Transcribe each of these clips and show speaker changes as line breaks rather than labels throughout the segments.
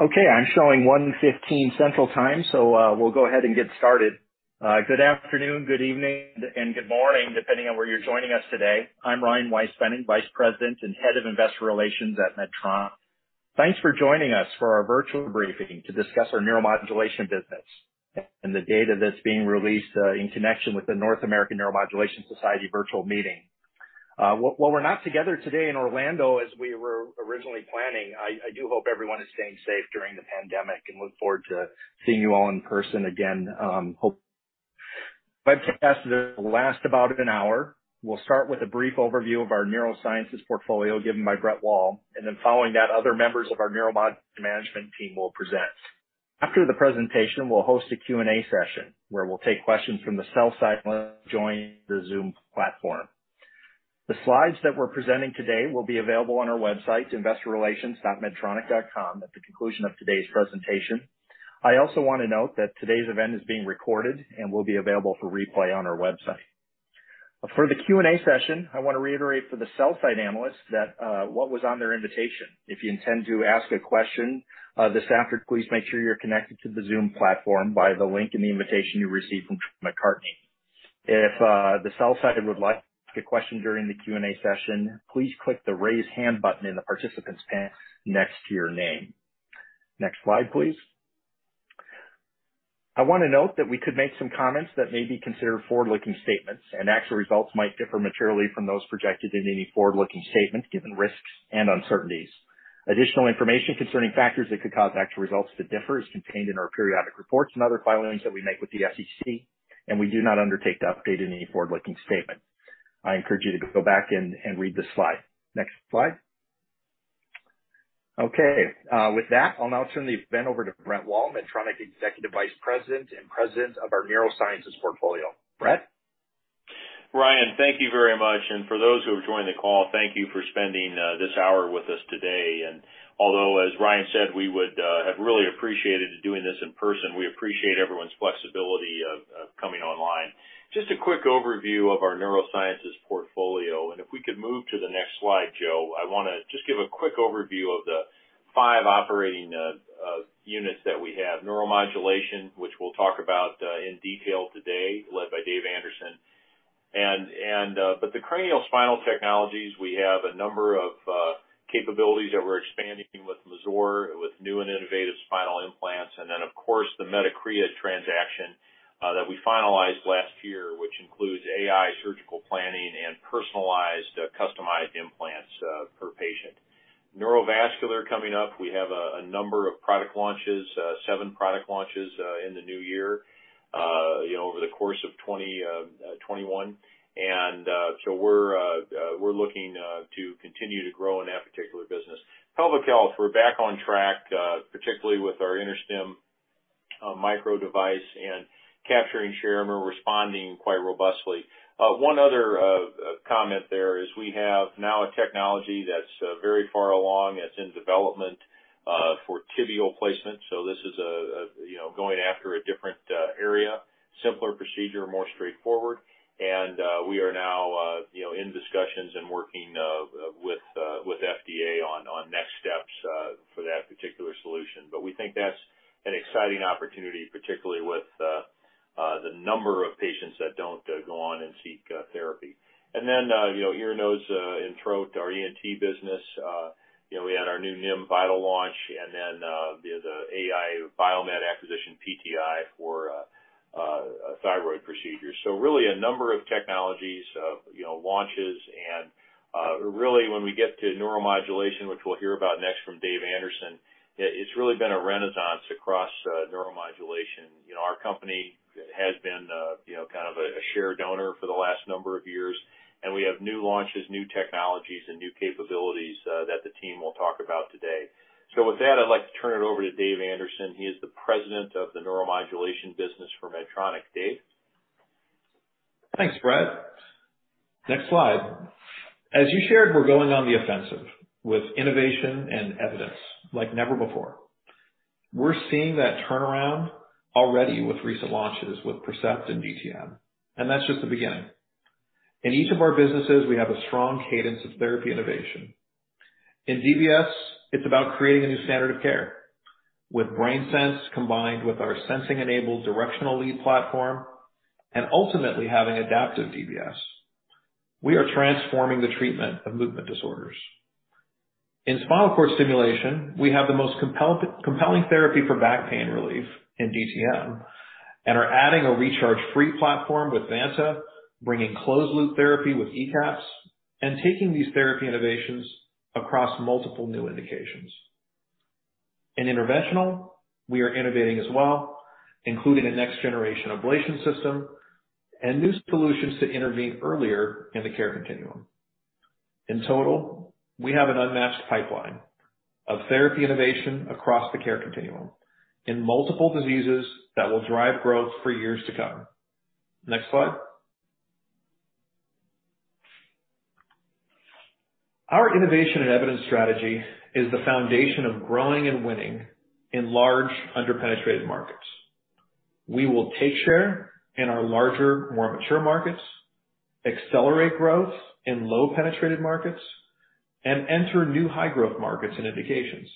Okay, I'm showing 1:15 P.M. Central Time, so we'll go ahead and get started. Good afternoon, good evening, and good morning, depending on where you're joining us today. I'm Ryan Weispfenning, Vice President and Head of Investor Relations at Medtronic. Thanks for joining us for our virtual briefing to discuss our neuromodulation business and the data that's being released in connection with the North American Neuromodulation Society virtual meeting. While we're not together today in Orlando as we were originally planning, I do hope everyone is staying safe during the pandemic and look forward to seeing you all in person again hopefully. The webcast will last about an hour. We'll start with a brief overview of our Neuroscience Portfolio given by Brett Wall, and then following that, other members of our neuromodulation management team will present. After the presentation, we'll host a Q&A session where we'll take questions from the sell side who have joined the Zoom platform. The slides that we're presenting today will be available on our website, investorrelations.medtronic.com at the conclusion of today's presentation. I also want to note that today's event is being recorded and will be available for replay on our website. For the Q&A session, I want to reiterate for the sell side analysts what was on their invitation. If you intend to ask a question this afternoon, please make sure you're connected to the Zoom platform via the link in the invitation you received from McCartney. If the sell side would like to ask a question during the Q&A session, please click the raise hand button in the participants panel next to your name. Next slide, please. I want to note that we could make some comments that may be considered forward-looking statements, and actual results might differ materially from those projected in any forward-looking statement given risks and uncertainties. Additional information concerning factors that could cause actual results to differ is contained in our periodic reports and other filings that we make with the SEC, and we do not undertake to update any forward-looking statement. I encourage you to go back and read the slide. Next slide. Okay. With that, I'll now turn the event over to Brett Wall, Medtronic Executive Vice President and President of our Neuroscience Portfolio. Brett?
Ryan, thank you very much. For those who have joined the call, thank you for spending this hour with us today. Although, as Ryan said, we would have really appreciated doing this in person, we appreciate everyone's flexibility of coming online. Just a quick overview of our neurosciences portfolio. If we could move to the next slide, Joe, I want to just give a quick overview of the five operating units that we have. Neuromodulation, which we will talk about in detail today, led by Dave Anderson. The cranial spinal technologies, we have a number of capabilities that we are expanding with Mazor, with new and innovative spinal implants, then, of course, the Medicrea transaction that we finalized last year, which includes AI surgical planning and personalized, customized implants per patient. Neurovascular coming up. We have a number of product launches, seven product launches in the new year over the course of 2021. We're looking to continue to grow in that particular business. Pelvic health, we're back on track, particularly with our InterStim Micro device and capturing share and we're responding quite robustly. One other comment there is we have now a technology that's very far along, that's in development, for tibial placement. This is going after a different area, simpler procedure, more straightforward. We are now in discussions and working with FDA on next steps for that particular solution. We think that's an exciting opportunity, particularly with the number of patients that don't go on and seek therapy. Ear, nose, and throat, our ENT business. We had our new NIM Vital launch and the Ai Biomed acquisition, PTeye, for thyroid procedures. Really a number of technologies launches and really when we get to neuromodulation, which we'll hear about next from Dave Anderson, it's really been a renaissance across neuromodulation. Our company has been kind of a share donor for the last number of years, and we have new launches, new technologies, and new capabilities that the team will talk about today. With that, I'd like to turn it over to Dave Anderson. He is the President of the neuromodulation business for Medtronic. Dave?
Thanks, Brett. Next slide. As you shared, we're going on the offensive with innovation and evidence like never before. We're seeing that turnaround already with recent launches with Percept and DTM, that's just the beginning. In each of our businesses, we have a strong cadence of therapy innovation. In DBS, it's about creating a new standard of care. With BrainSense, combined with our sensing-enabled directional lead platform and ultimately having adaptive DBS, we are transforming the treatment of movement disorders. In spinal cord stimulation, we have the most compelling therapy for back pain relief in DTM, are adding a recharge-free platform with Vanta, bringing closed loop therapy with ECAPs, taking these therapy innovations across multiple new indications. In interventional, we are innovating as well, including a next generation ablation system and new solutions to intervene earlier in the care continuum. In total, we have an unmatched pipeline of therapy innovation across the care continuum in multiple diseases that will drive growth for years to come. Next slide. Our innovation and evidence strategy is the foundation of growing and winning in large under-penetrated markets. We will take share in our larger, more mature markets, accelerate growth in low-penetrated markets, and enter new high-growth markets and indications.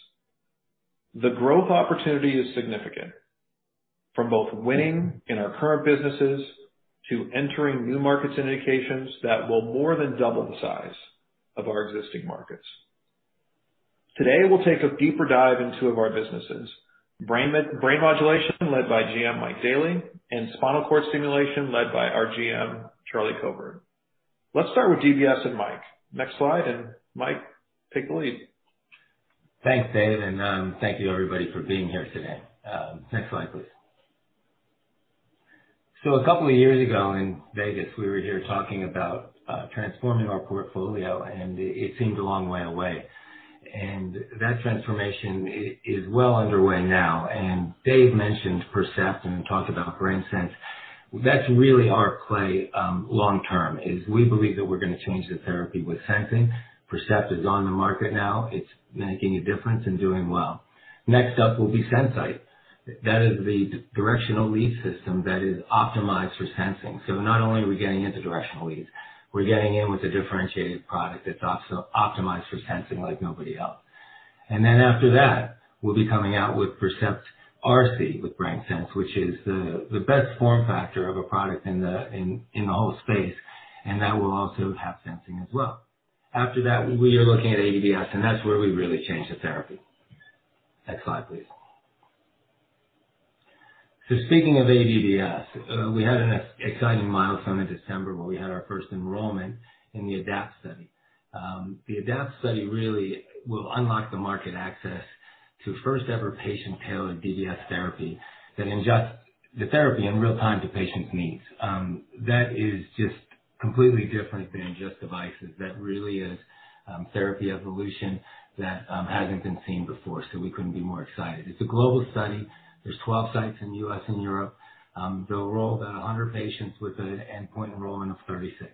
The growth opportunity is significant, from both winning in our current businesses to entering new markets and indications that will more than double the size of our existing markets. Today, we'll take a deeper dive into two of our businesses. Brain Modulation, led by GM Mike Daly, and Spinal Cord Stimulation, led by our GM Charlie Covert. Let's start with DBS and Mike. Next slide, Mike, take the lead.
Thanks, Dave, and thank you everybody for being here today. Next slide, please. A couple of years ago in Vegas, we were here talking about transforming our portfolio, and it seemed a long way away. That transformation is well underway now. Dave mentioned Percept and talked about BrainSense. That's really our play long term, is we believe that we're going to change the therapy with sensing. Percept is on the market now. It's making a difference and doing well. Next up will be SenSight. That is the directional lead system that is optimized for sensing. Not only are we getting into directional leads, we're getting in with a differentiated product that's also optimized for sensing like nobody else. After that, we'll be coming out with Percept RC with BrainSense, which is the best form factor of a product in the whole space, and that will also have sensing as well. After that, we are looking at aDBS, that's where we really change the therapy. Next slide, please. Speaking of aDBS, we had an exciting milestone in December where we had our first enrollment in the ADAPT study. The ADAPT study really will unlock the market access to first-ever patient-tailored DBS therapy that adjusts the therapy in real time to patients' needs. That is just completely different than just devices. That really is therapy evolution that hasn't been seen before. We couldn't be more excited. It's a global study. There's 12 sites in the U.S. and Europe. They'll enroll about 100 patients with an endpoint enrollment of 36.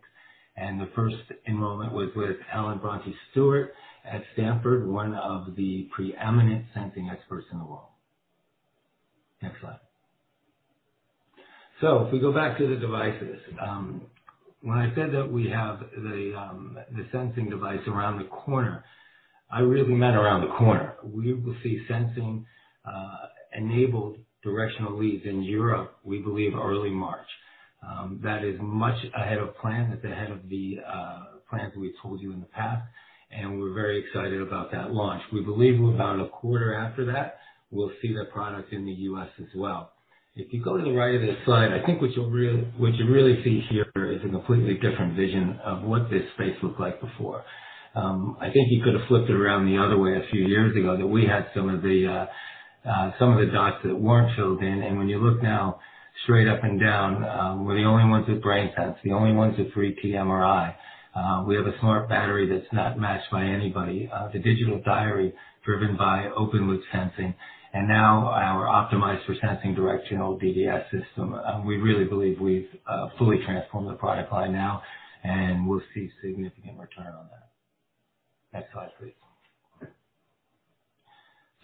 The first enrollment was with Helen Bronte-Stewart at Stanford, one of the preeminent sensing experts in the world. Next slide. If we go back to the devices. When I said that we have the sensing device around the corner, I really meant around the corner. We will see sensing-enabled directional leads in Europe, we believe early March. That is much ahead of plan. That's ahead of the plans we told you in the past, and we're very excited about that launch. We believe about a quarter after that, we'll see that product in the U.S. as well. If you go to the right of this slide, I think what you really see here is a completely different vision of what this space looked like before. I think you could have flipped it around the other way a few years ago, that we had some of the dots that weren't filled in. When you look now straight up and down, we're the only ones with BrainSense, the only ones with 3T MRI. We have a smart battery that's not matched by anybody, the digital diary driven by open loop sensing, and now our optimized for sensing directional DBS system. We really believe we've fully transformed the product line now, and we'll see significant return on that. Next slide, please.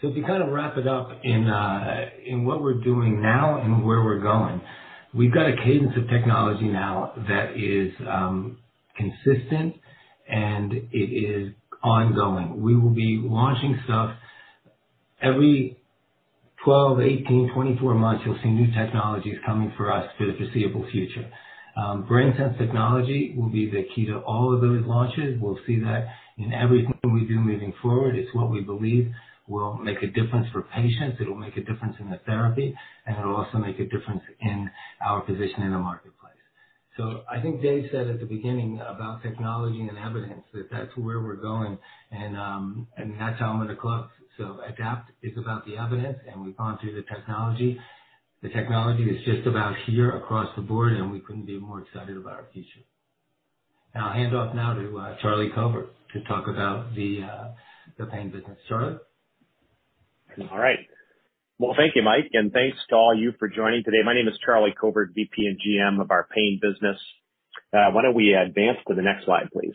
If you wrap it up in what we're doing now and where we're going, we've got a cadence of technology now that is consistent and it is ongoing. We will be launching stuff every 12, 18, 24 months. You'll see new technologies coming from us for the foreseeable future. BrainSense technology will be the key to all of those launches. We'll see that in everything we do moving forward. It's what we believe will make a difference for patients. It'll make a difference in the therapy, and it'll also make a difference in our position in the marketplace. I think Dave said at the beginning about technology and evidence, that that's where we're going. That's how I'm going to close. ADAPT is about the evidence, and we've gone through the technology. The technology is just about here across the board, and we couldn't be more excited about our future. I'll hand off now to Charlie Covert to talk about the pain business. Charlie?
All right. Well, thank you, Mike, and thanks to all you for joining today. My name is Charlie Covert, VP and GM of our pain business. Why don't we advance to the next slide, please?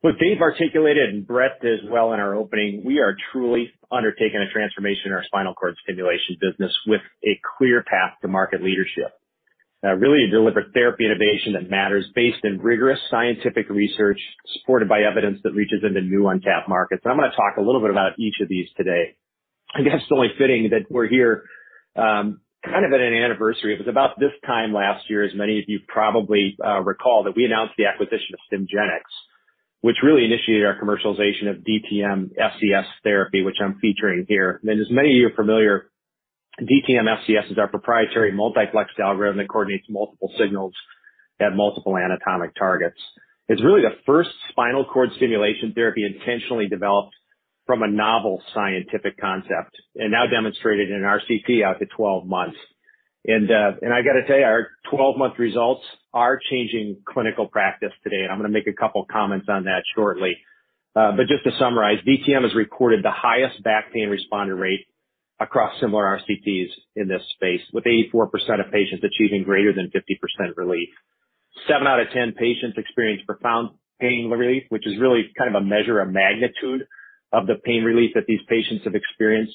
What Dave Anderson articulated, and Brett Wall as well in our opening, we are truly undertaking a transformation in our spinal cord stimulation business with a clear path to market leadership. Really a deliberate therapy innovation that matters, based in rigorous scientific research, supported by evidence that reaches into new untapped markets. I'm going to talk a little bit about each of these today. I guess it's only fitting that we're here kind of at an anniversary. It was about this time last year, as many of you probably recall, that we announced the acquisition of Stimgenics, which really initiated our commercialization of DTM SCS therapy, which I'm featuring here. As many of you are familiar, DTM SCS is our proprietary multiplexed algorithm that coordinates multiple signals at multiple anatomic targets. It's really the first spinal cord stimulation therapy intentionally developed from a novel scientific concept, and now demonstrated in an RCT out to 12 months. I got to tell you, our 12-month results are changing clinical practice today, and I'm going to make a couple comments on that shortly. Just to summarize, DTM has recorded the highest back pain responder rate across similar RCTs in this space, with 84% of patients achieving greater than 50% relief. Seven out of 10 patients experience profound pain relief, which is really kind of a measure of magnitude of the pain relief that these patients have experienced.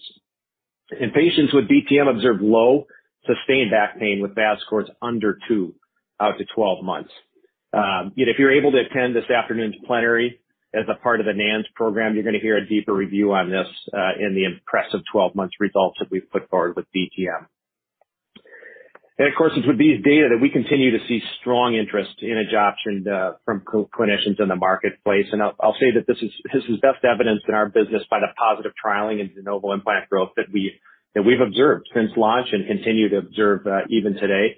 Patients with DTM observed low sustained back pain with VAS scores under two out to 12 months. If you're able to attend this afternoon's plenary as a part of the NANS program, you're going to hear a deeper review on this in the impressive 12 months results that we've put forward with DTM. Of course, it's with these data that we continue to see strong interest in adoption from clinicians in the marketplace. I'll say that this is best evidenced in our business by the positive trialing in de novo implant growth that we've observed since launch and continue to observe even today.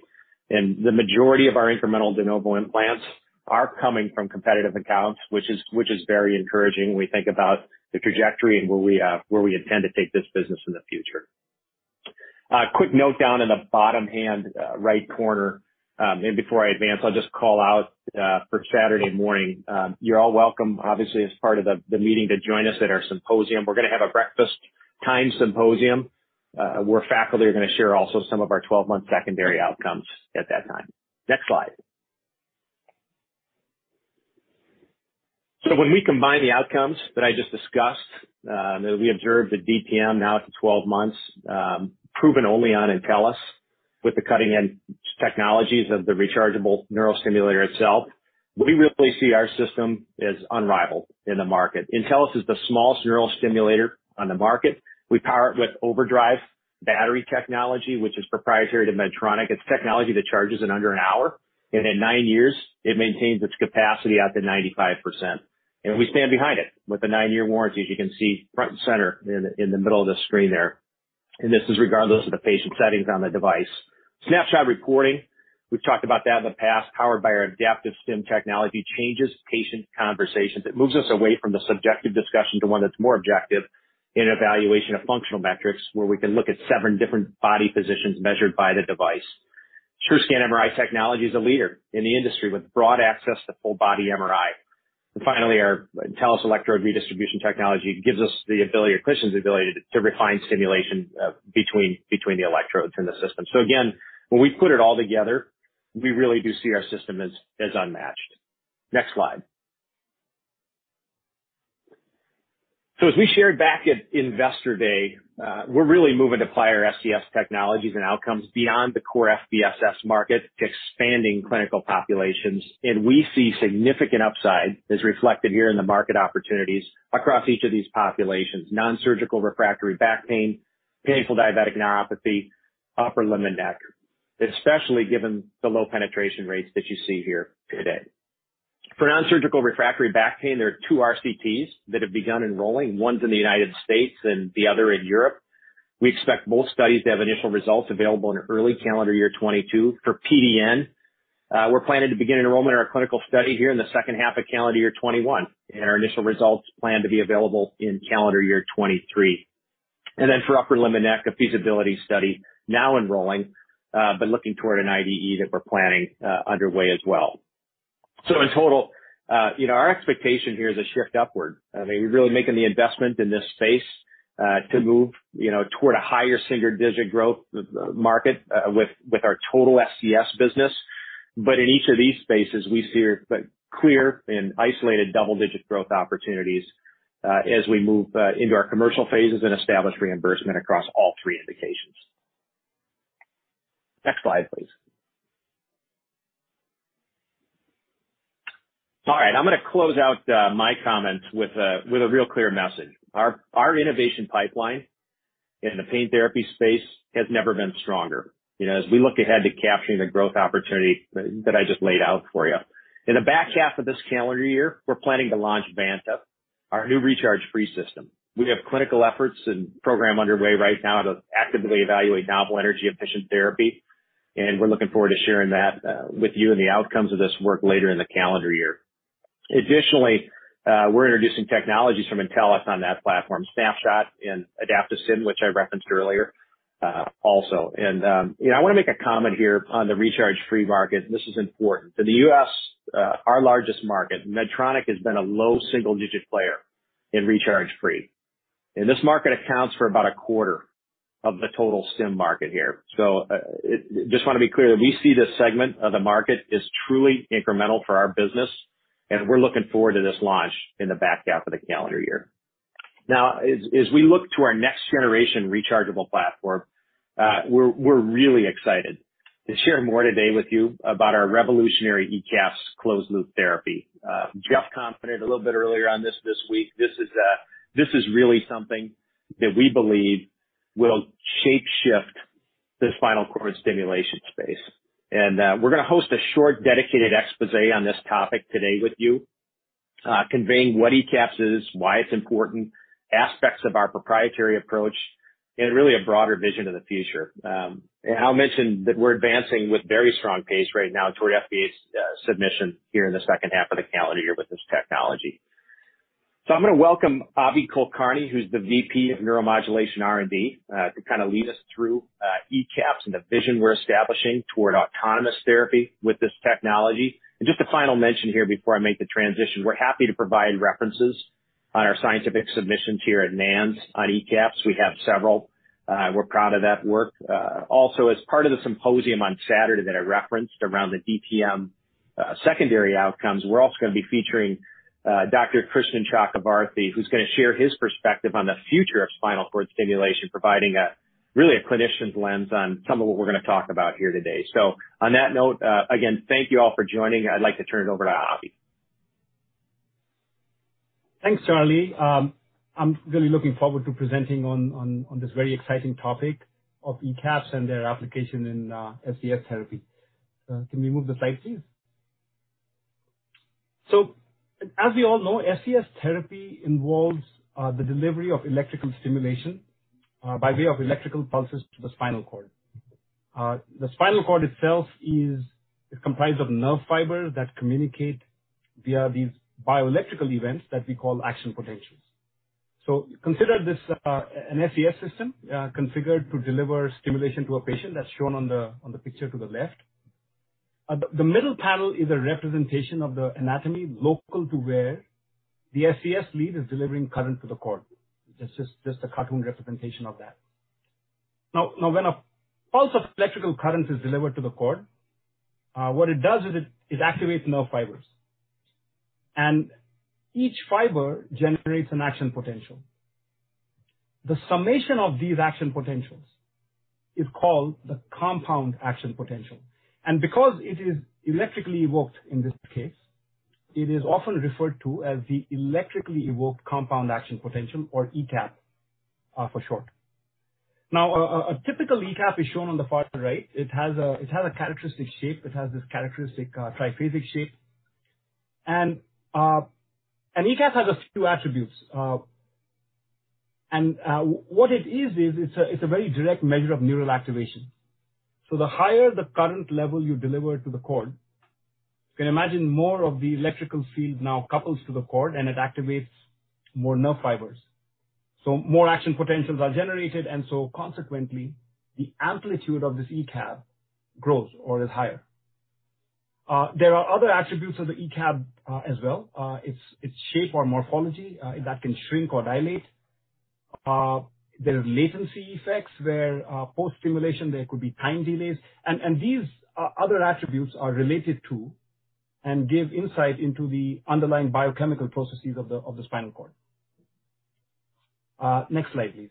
The majority of our incremental de novo implants are coming from competitive accounts, which is very encouraging when we think about the trajectory and where we intend to take this business in the future. A quick note down in the bottom hand right corner. Before I advance, I'll just call out for Saturday morning. You're all welcome, obviously, as part of the meeting, to join us at our symposium. We're going to have a breakfast time symposium where faculty are going to share also some of our 12-month secondary outcomes at that time. Next slide. When we combine the outcomes that I just discussed, that we observed with DTM now out to 12 months, proven only on Intellis with the cutting-edge technologies of the rechargeable neurostimulator itself, we really see our system as unrivaled in the market. Intellis is the smallest neurostimulator on the market. We power it with OverDrive battery technology, which is proprietary to Medtronic. It's technology that charges in under an hour, and in nine years, it maintains its capacity out to 95%. We stand behind it with a nine-year warranty, as you can see front and center in the middle of the screen there. This is regardless of the patient settings on the device. Snapshot reporting, we've talked about that in the past, powered by our AdaptiveStim technology, changes patient conversations. It moves us away from the subjective discussion to one that's more objective in evaluation of functional metrics, where we can look at seven different body positions measured by the device. SureScan MRI technology is a leader in the industry with broad access to full body MRI. Finally, our Intellis electrode redistribution technology gives us the ability, or clinicians the ability, to refine stimulation between the electrodes in the system. Again, when we put it all together, we really do see our system as unmatched. Next slide. As we shared back at Investor Day, we're really moving to apply our SCS technologies and outcomes beyond the core FBSS market to expanding clinical populations. We see significant upside, as reflected here in the market opportunities across each of these populations, nonsurgical refractory back pain, painful diabetic neuropathy, upper limb and neck, especially given the low penetration rates that you see here today. For nonsurgical refractory back pain, there are two RCTs that have begun enrolling, one's in the U.S. and the other in Europe. We expect both studies to have initial results available in early calendar year 2022. For PDN, we're planning to begin enrollment in our clinical study here in the second half of calendar year 2021, and our initial results plan to be available in calendar year 2023. Then for upper limb and neck, a feasibility study now enrolling, but looking toward an IDE that we're planning underway as well. In total, our expectation here is a shift upward. I mean, we're really making the investment in this space to move toward a higher single-digit growth market with our total SCS business. In each of these spaces, we see clear and isolated double-digit growth opportunities as we move into our commercial phases and establish reimbursement across all three indications. Next slide, please. All right. I'm going to close out my comments with a real clear message. Our innovation pipeline in the pain therapy space has never been stronger as we look ahead to capturing the growth opportunity that I just laid out for you. In the back half of this calendar year, we're planning to launch Vanta, our new recharge-free system. We have clinical efforts and program underway right now to actively evaluate novel energy-efficient therapy, and we're looking forward to sharing that with you and the outcomes of this work later in the calendar year. We're introducing technologies from Intellis on that platform, Snapshot and AdaptiveStim, which I referenced earlier also. I want to make a comment here on the recharge-free market, and this is important. For the U.S., our largest market, Medtronic has been a low single-digit player in recharge-free, and this market accounts for about a quarter of the total SCS market here. Just want to be clear that we see this segment of the market as truly incremental for our business, and we're looking forward to this launch in the back half of the calendar year. As we look to our next generation rechargeable platform, we're really excited to share more today with you about our revolutionary ECAPs closed-loop therapy. Geoff commented a little bit earlier on this this week. This is really something that we believe will shape-shift the spinal cord stimulation space. We're going to host a short, dedicated exposé on this topic today with you, conveying what ECAPs is, why it's important, aspects of our proprietary approach, and really a broader vision of the future. I'll mention that we're advancing with very strong pace right now toward FDA submission here in the second half of the calendar year with this technology. I'm going to welcome Abhi Kulkarni, who's the VP of Neuromodulation R&D to kind of lead us through ECAPs and the vision we're establishing toward autonomous therapy with this technology. Just a final mention here before I make the transition, we're happy to provide references on our scientific submissions here at NANS on ECAPs, we have several. We're proud of that work. Also, as part of the symposium on Saturday that I referenced around the DTM secondary outcomes, we're also going to be featuring Dr. Krishnan Chakravarthy, who's going to share his perspective on the future of spinal cord stimulation, providing really a clinician's lens on some of what we're going to talk about here today. On that note, again, thank you all for joining. I'd like to turn it over to Abhi.
Thanks, Charlie. I'm really looking forward to presenting on this very exciting topic of ECAPs and their application in SCS therapy. Can we move the slide, please? As we all know, SCS therapy involves the delivery of electrical stimulation by way of electrical pulses to the spinal cord. The spinal cord itself is comprised of nerve fibers that communicate via these bioelectrical events that we call action potentials. Consider this an SCS system configured to deliver stimulation to a patient. That's shown on the picture to the left. The middle panel is a representation of the anatomy local to where the SCS lead is delivering current to the cord. It's just a cartoon representation of that. When a pulse of electrical current is delivered to the cord, what it does is it activates nerve fibers, and each fiber generates an action potential. The summation of these action potentials is called the compound action potential, and because it is electrically evoked in this case, it is often referred to as the electrically evoked compound action potential, or ECAP for short. A typical ECAP is shown on the far right. It has a characteristic shape. It has this characteristic triphasic shape. An ECAP has a few attributes. What it is, it's a very direct measure of neural activation. The higher the current level you deliver to the cord, you can imagine more of the electrical field now couples to the cord, and it activates more nerve fibers. More action potentials are generated, and so consequently, the amplitude of this ECAP grows or is higher. There are other attributes of the ECAP as well. Its shape or morphology that can shrink or dilate. There are latency effects where post-stimulation, there could be time delays. These other attributes are related to and give insight into the underlying biochemical processes of the spinal cord. Next slide, please.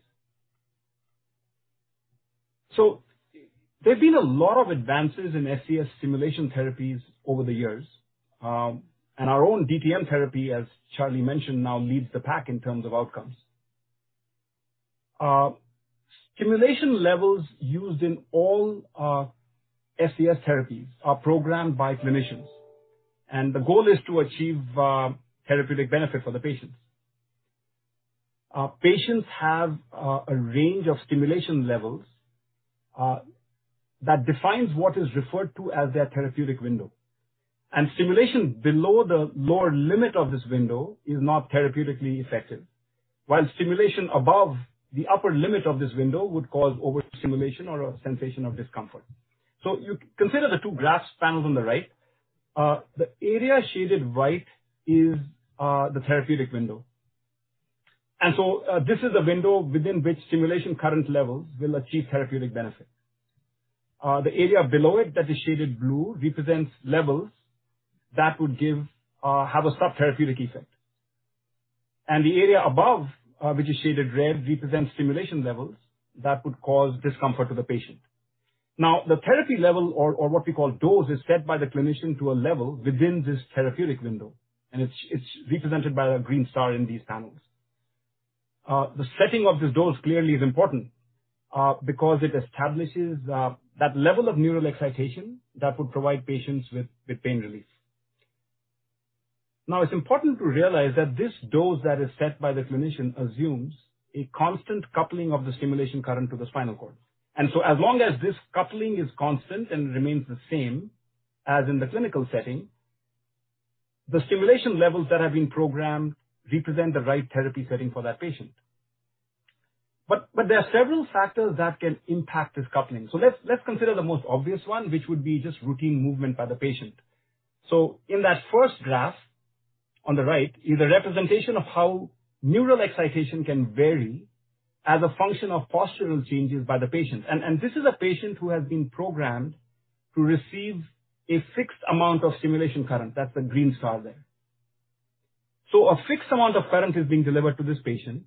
There have been a lot of advances in SCS stimulation therapies over the years. Our own DTM therapy, as Charlie mentioned, now leads the pack in terms of outcomes. Stimulation levels used in all SCS therapies are programmed by clinicians, and the goal is to achieve therapeutic benefit for the patients. Patients have a range of stimulation levels that defines what is referred to as their therapeutic window, and stimulation below the lower limit of this window is not therapeutically effective. While stimulation above the upper limit of this window would cause overstimulation or a sensation of discomfort. You consider the two graphs panels on the right. The area shaded white is the therapeutic window. This is the window within which stimulation current levels will achieve therapeutic benefit. The area below it that is shaded blue represents levels that would have a subtherapeutic effect. The area above, which is shaded red, represents stimulation levels that would cause discomfort to the patient. Now, the therapy level or what we call dose is set by the clinician to a level within this therapeutic window, and it's represented by the green star in these panels. The setting of this dose clearly is important because it establishes that level of neural excitation that would provide patients with pain relief. Now, it's important to realize that this dose that is set by the clinician assumes a constant coupling of the stimulation current to the spinal cord. As long as this coupling is constant and remains the same as in the clinical setting, the stimulation levels that have been programmed represent the right therapy setting for that patient. There are several factors that can impact this coupling. Let's consider the most obvious one, which would be just routine movement by the patient. In that first graph on the right is a representation of how neural excitation can vary as a function of postural changes by the patient. This is a patient who has been programmed to receive a fixed amount of stimulation current. That's the green star there. A fixed amount of current is being delivered to this patient,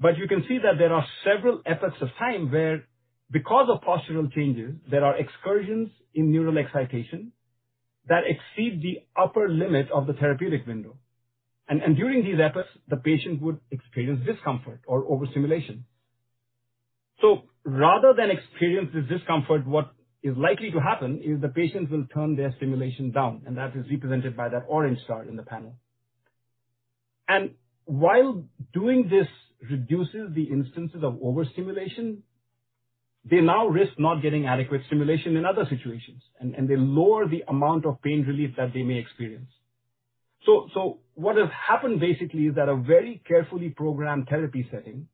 but you can see that there are several epochs of time where because of postural changes, there are excursions in neural excitation that exceed the upper limit of the therapeutic window. During these epochs, the patient would experience discomfort or overstimulation. Rather than experience this discomfort, what is likely to happen is the patients will turn their stimulation down, and that is represented by that orange star in the panel. While doing this reduces the instances of overstimulation, they now risk not getting adequate stimulation in other situations, and they lower the amount of pain relief that they may experience. What has happened basically is that a very carefully programmed therapy setting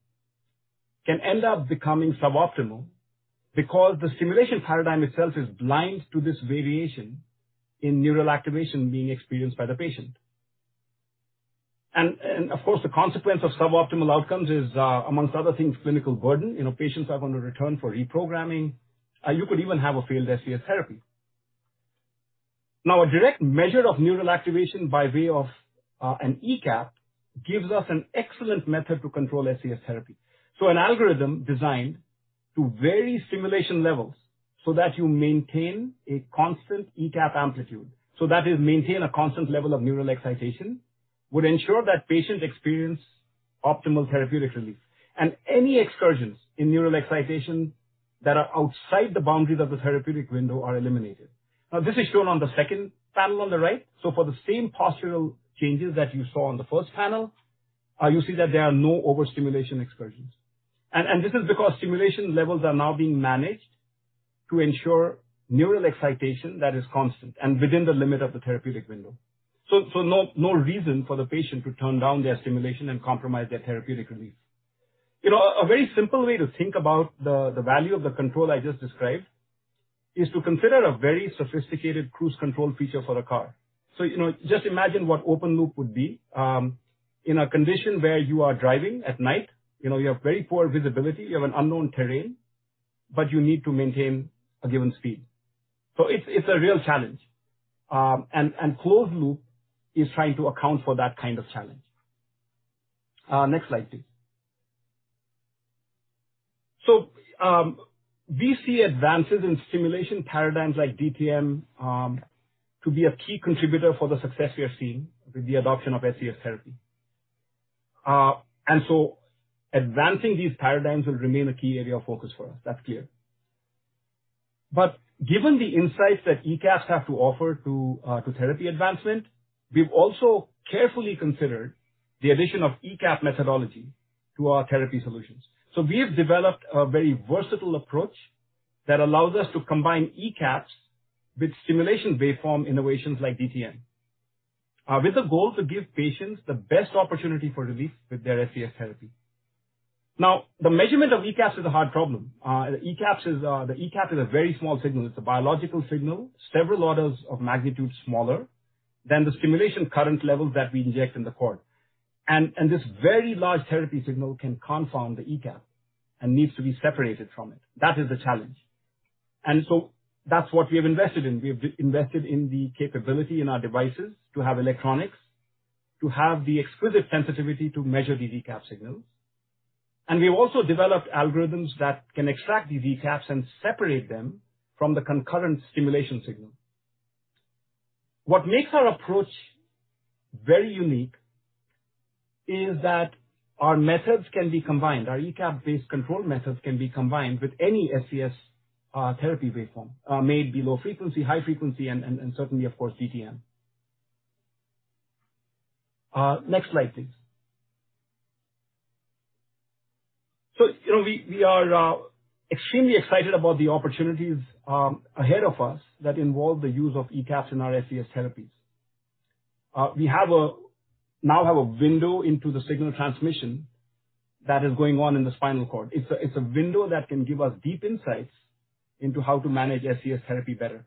can end up becoming suboptimal because the stimulation paradigm itself is blind to this variation in neural activation being experienced by the patient. Of course, the consequence of suboptimal outcomes is, amongst other things, clinical burden. Patients are going to return for reprogramming. You could even have a failed SCS therapy. A direct measure of neural activation by way of an ECAP gives us an excellent method to control SCS therapy. An algorithm designed to vary stimulation levels so that you maintain a constant ECAP amplitude, so that is maintain a constant level of neural excitation, would ensure that patients experience optimal therapeutic relief, and any excursions in neural excitation that are outside the boundaries of the therapeutic window are eliminated. This is shown on the second panel on the right. For the same postural changes that you saw on the first panel, you see that there are no overstimulation excursions. This is because stimulation levels are now being managed to ensure neural excitation that is constant and within the limit of the therapeutic window. No reason for the patient to turn down their stimulation and compromise their therapeutic relief. A very simple way to think about the value of the control I just described is to consider a very sophisticated cruise [control] feature for the car. Just imagine what open loop would be in a condition where you are driving at night, you have very poor visibility, you have an unknown terrain, but you need to maintain a given speed. It's a real challenge. Closed loop is trying to account for that kind of challenge. Next slide, please. We see advances in stimulation paradigms like DTM, to be a key contributor for the success we are seeing with the adoption of SCS therapy. Advancing these paradigms will remain a key area of focus for us. That's clear. Given the insights that ECAPs have to offer to therapy advancement, we've also carefully considered the addition of ECAP methodology to our therapy solutions. We have developed a very versatile approach that allows us to combine ECAPs with stimulation waveform innovations like DTM, with a goal to give patients the best opportunity for relief with their SCS therapy. Now, the measurement of ECAPs is a hard problem. The ECAP is a very small signal. It's a biological signal, several orders of magnitude smaller than the stimulation current levels that we inject in the cord. This very large therapy signal can confound the ECAP and needs to be separated from it. That is the challenge. That's what we have invested in. We have invested in the capability in our devices to have electronics, to have the exquisite sensitivity to measure these ECAP signals. We have also developed algorithms that can extract these ECAPs and separate them from the concurrent stimulation signal. What makes our approach very unique is that our methods can be combined, our ECAP-based control methods can be combined with any SCS therapy waveform, may it be low frequency, high frequency, and certainly, of course, DTM. Next slide, please. We are extremely excited about the opportunities ahead of us that involve the use of ECAPs in our SCS therapies. We now have a window into the signal transmission that is going on in the spinal cord. It's a window that can give us deep insights into how to manage SCS therapy better.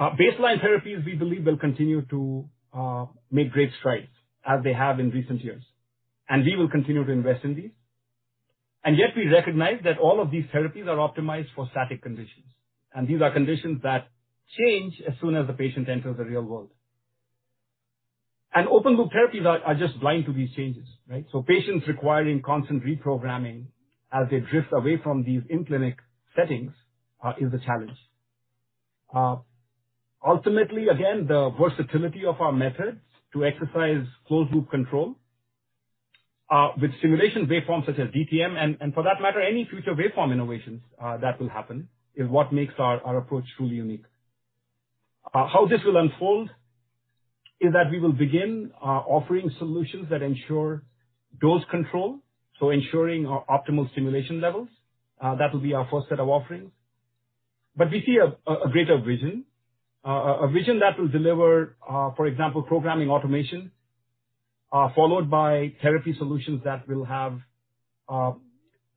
Baseline therapies, we believe, will continue to make great strides as they have in recent years, and we will continue to invest in these. Yet we recognize that all of these therapies are optimized for static conditions, and these are conditions that change as soon as the patient enters the real world. Open loop therapies are just blind to these changes, right? Patients requiring constant reprogramming as they drift away from these in-clinic settings is a challenge. Ultimately, again, the versatility of our methods to exercise closed loop control with stimulation waveforms such as DTM, and for that matter, any future waveform innovations that will happen, is what makes our approach truly unique. How this will unfold is that we will begin offering solutions that ensure dose control, so ensuring optimal stimulation levels. That will be our first set of offerings. We see a greater vision, a vision that will deliver, for example, programming automation, followed by therapy solutions that will have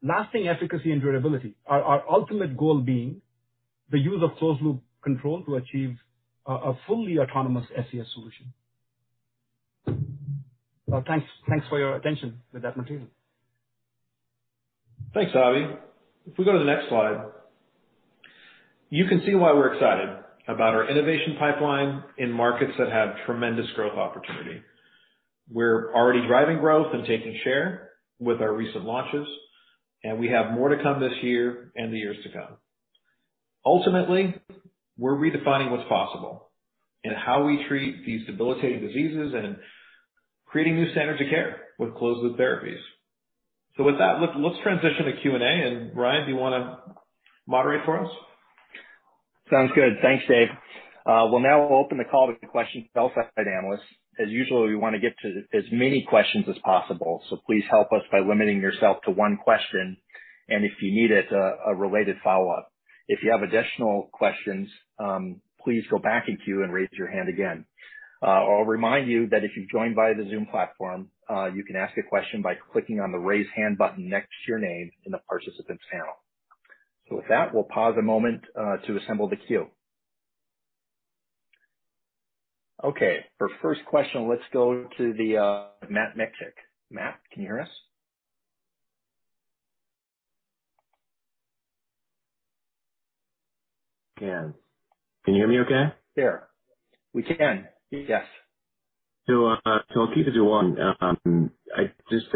lasting efficacy and durability. Our ultimate goal being the use of closed loop control to achieve a fully autonomous SCS solution. Thanks for your attention with that material.
Thanks, Abhi. If we go to the next slide. You can see why we're excited about our innovation pipeline in markets that have tremendous growth opportunity. We're already driving growth and taking share with our recent launches, and we have more to come this year and the years to come. Ultimately, we're redefining what's possible in how we treat these debilitating diseases and creating new standards of care with closed loop therapies. With that, let's transition to Q&A. Ryan, do you want to moderate for us?
Sounds good. Thanks, Dave. We'll now open the call to questions from sell-side analysts. As usual, we want to get to as many questions as possible, so please help us by limiting yourself to one question and if needed, a related follow-up. If you have additional questions, please go back in queue and raise your hand again. I'll remind you that if you've joined via the Zoom platform, you can ask a question by clicking on the raise hand button next to your name in the participants panel. With that, we'll pause a moment to assemble the queue. Okay. For first question, let's go to Matt Miksic. Matt, can you hear us?
I can. Can you hear me okay?
Sure. We can. Yes.
I'll keep it to one. I just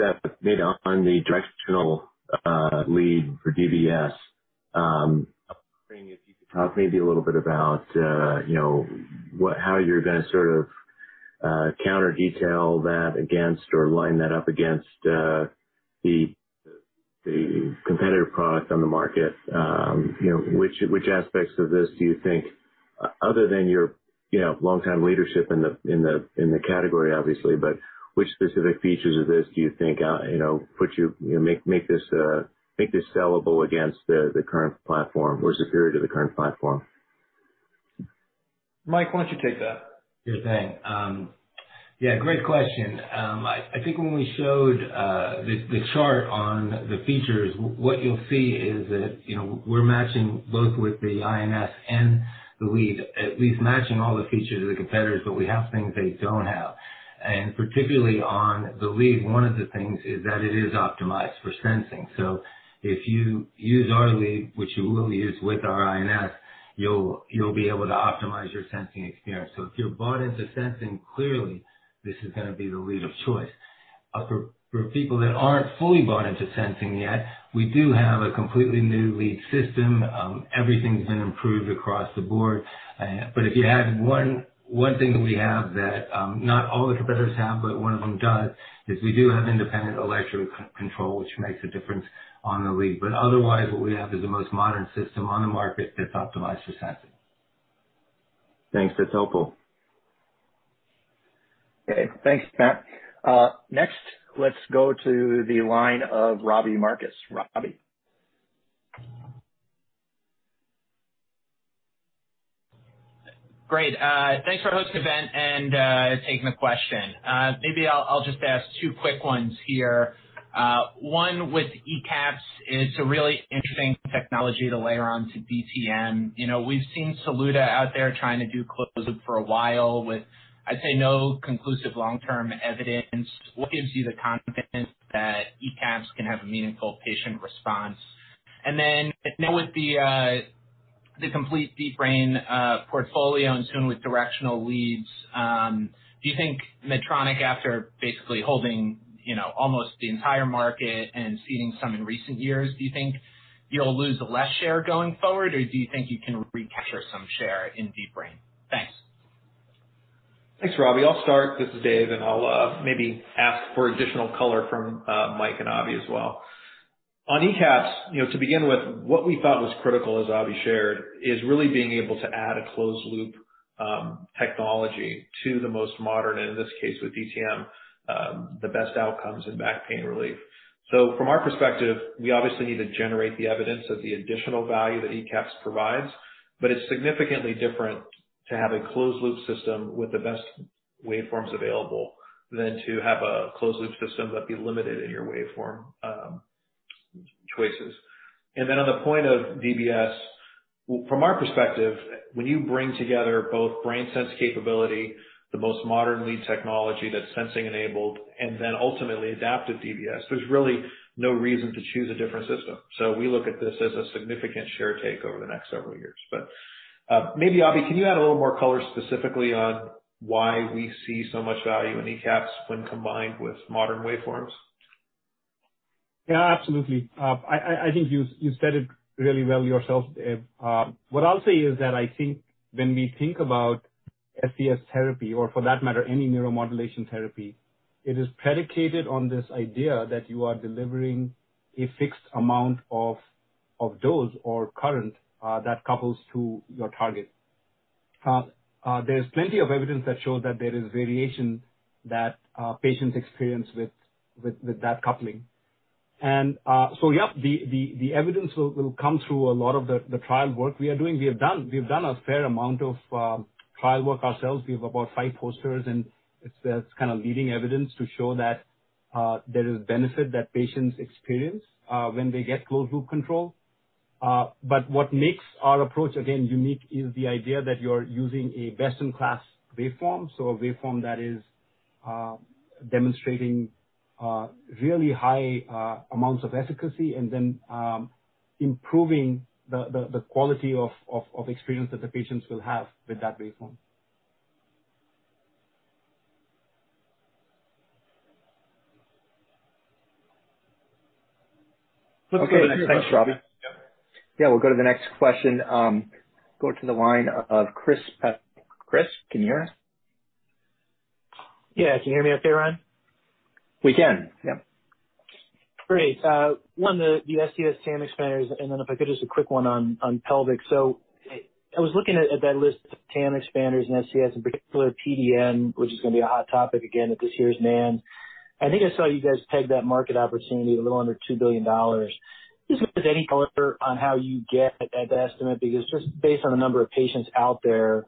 made on the directional lead for DBS. I was wondering if you could talk maybe a little bit about how you're going to sort of counter detail that against, or line that up against the competitive product on the market. Which aspects of this do you think, other than your longtime leadership in the category, obviously, but which specific features of this do you think make this sellable against the current platform or superior to the current platform?
Mike, why don't you take that?
Sure thing. Yeah, great question. I think when we showed the chart on the features, what you'll see is that we're matching both with the INS and the lead, at least matching all the features of the competitors, but we have things they don't have. Particularly on the lead, one of the things is that it is optimized for sensing. If you use our lead, which you will use with our INS, you'll be able to optimize your sensing experience. If you're bought into sensing, clearly, this is going to be the lead of choice. For people that aren't fully bought into sensing yet, we do have a completely new lead system. Everything's been improved across the board. If you had one thing that we have that not all the competitors have, but one of them does, is we do have independent electric control, which makes a difference on the lead. Otherwise, what we have is the most modern system on the market that's optimized for sensing.
Thanks. That's helpful.
Okay. Thanks, Matt. Next let's go to the line of Robbie Marcus. Robbie.
Great. Thanks for hosting the event and taking the question. Maybe I'll just ask two quick ones here. One with ECAPs, it's a really interesting technology to layer on to DTM. We've seen Saluda out there trying to do closed-loop for a while with, I'd say, no conclusive long-term evidence. What gives you the confidence that ECAPs can have a meaningful patient response? Then now with the complete deep brain portfolio and soon with directional leads, do you think Medtronic, after basically holding almost the entire market and ceding some in recent years, do you think you'll lose less share going forward, or do you think you can recapture some share in deep brain? Thanks.
Thanks, Robbie. I'll start. This is Dave, and I'll maybe ask for additional color from Mike and Abhi as well. On ECAPs, to begin with, what we thought was critical, as Abhi shared, is really being able to add a closed loop technology to the most modern, and in this case, with DTM, the best outcomes in back pain relief. From our perspective, we obviously need to generate the evidence of the additional value that ECAPs provides, but it's significantly different to have a closed loop system with the best waveforms available than to have a closed loop system but be limited in your waveform choices. On the point of DBS, from our perspective, when you bring together both BrainSense capability, the most modern lead technology that's sensing enabled, and then ultimately adaptive DBS, there's really no reason to choose a different system. We look at this as a significant share take over the next several years. Maybe, Abhi, can you add a little more color specifically on why we see so much value in ECAPs when combined with modern waveforms?
Yeah, absolutely. I think you said it really well yourself, Dave. What I'll say is that I think when we think about SCS therapy, or for that matter, any neuromodulation therapy, it is predicated on this idea that you are delivering a fixed amount of dose or current that couples to your target. There's plenty of evidence that shows that there is variation that patients experience with that coupling. The evidence will come through a lot of the trial work we are doing. We have done a fair amount of trial work ourselves. We have about five posters, and that's kind of leading evidence to show that there is benefit that patients experience when they get closed loop control. What makes our approach again unique is the idea that you're using a best-in-class waveform, so a waveform that is demonstrating really high amounts of efficacy and then improving the quality of experience that the patients will have with that waveform.
Let's go to the next question. Okay. Thanks, Robbie. Yeah. We'll go to the next question. Go to the line of Chris Pasquale. Chris, can you hear us?
Yeah. Can you hear me okay, Ryan?
We can. Yep.
Great. One on the SCS TAM expanders, and then if I could, just a quick one on pelvic. I was looking at that list of TAM expanders and SCS, in particular PDN, which is going to be a hot topic again at this year's NANS. I think I saw you guys peg that market opportunity at a little under $2 billion. Just wanted any color on how you get at that estimate, because just based on the number of patients out there,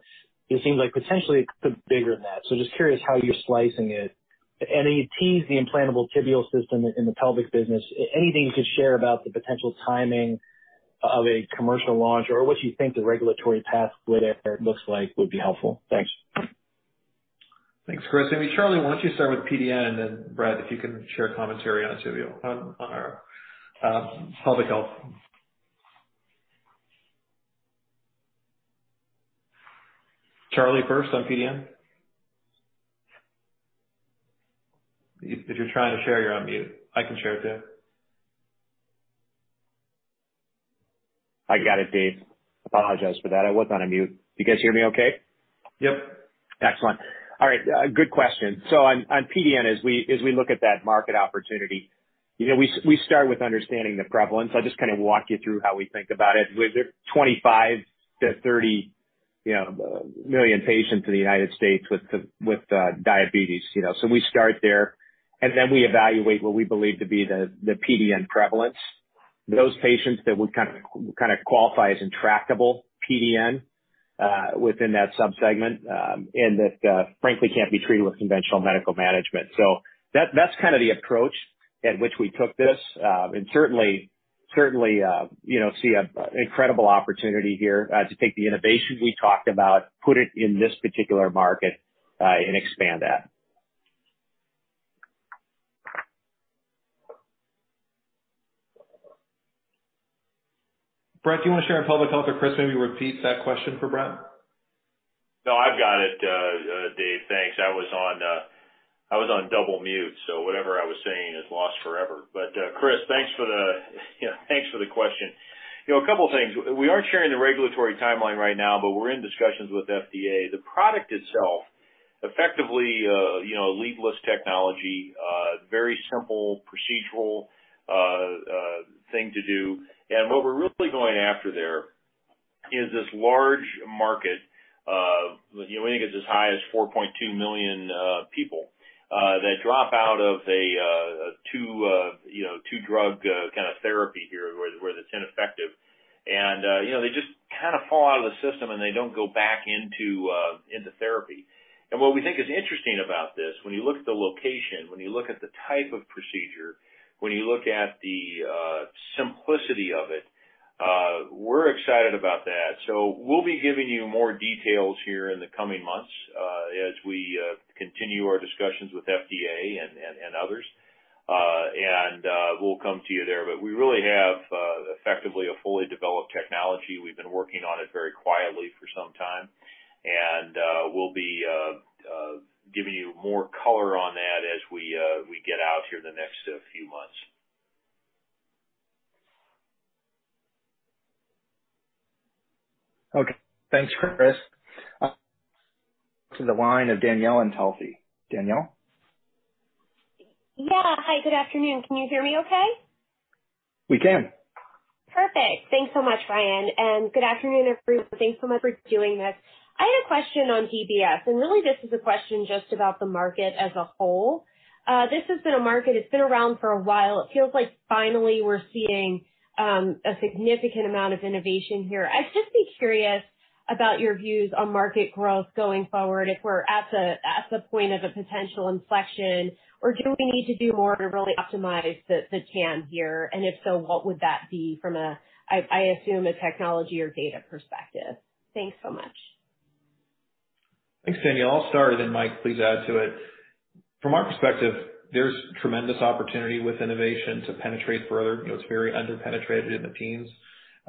it seems like potentially it could be bigger than that. Just curious how you're slicing it. You teased the implantable tibial system in the Pelvic business. Anything you could share about the potential timing of a commercial launch or what you think the regulatory path with it looks like would be helpful. Thanks.
Thanks, Chris. I mean, Charlie, why don't you start with PDN, and then Brett, if you can share commentary on Tibial, on our Pelvic Health. Charlie first on PDN. If you're trying to share, you're on mute. I can share it too.
I got it, Dave. Apologize for that. I was on a mute. You guys hear me okay?
Yep.
Excellent. All right. Good question. On PDN, as we look at that market opportunity, we start with understanding the prevalence. I'll just kind of walk you through how we think about it. There are 25 million-30 million patients in the U.S. with diabetes. We start there, and then we evaluate what we believe to be the PDN prevalence. Those patients that would kind of qualify as intractable PDN, within that sub-segment, and that frankly can't be treated with conventional medical management. That's kind of the approach at which we took this. Certainly, see an incredible opportunity here to take the innovation we talked about, put it in this particular market, and expand that.
Brett, do you want to share on Pelvic Health, or Chris, maybe repeat that question for Brett?
No, I've got it, Dave. Thanks. I was on double mute. Whatever I was saying is lost forever. Chris, thanks for the question. A couple things. We aren't sharing the regulatory timeline right now. We're in discussions with FDA. The product itself, effectively, a leadless technology, very simple procedural thing to do. What we're really going after there is this large market of, we think it's as high as 4.2 million people that drop out of a two-drug kind of therapy here where it's ineffective. They just kind of fall out of the system, and they don't go back into therapy. What we think is interesting about this, when you look at the location, when you look at the type of procedure, when you look at the simplicity of it, we're excited about that. We'll be giving you more details here in the coming months, as we continue our discussions with FDA and others. We'll come to you there. We really have effectively a fully developed technology. We've been working on it very quietly for some time. We'll be giving you more color on that as we get out here in the next few months.
Okay. Thanks, Chris. To the line of Danielle Antalffy. Danielle?
Yeah. Hi, good afternoon. Can you hear me okay?
We can.
Perfect. Thanks so much, Ryan, good afternoon, everyone. Thanks so much for doing this. I had a question on DBS, really this is a question just about the market as a whole. This has been a market, it's been around for a while. It feels like finally we're seeing a significant amount of innovation here. I'd just be curious about your views on market growth going forward, if we're at the point of a potential inflection, do we need to do more to really optimize the TAM here, if so, what would that be from a, I assume, a technology or data perspective? Thanks so much.
Thanks, Danielle. I'll start and, Mike, please add to it. From our perspective, there's tremendous opportunity with innovation to penetrate further. It's very under-penetrated in the teens.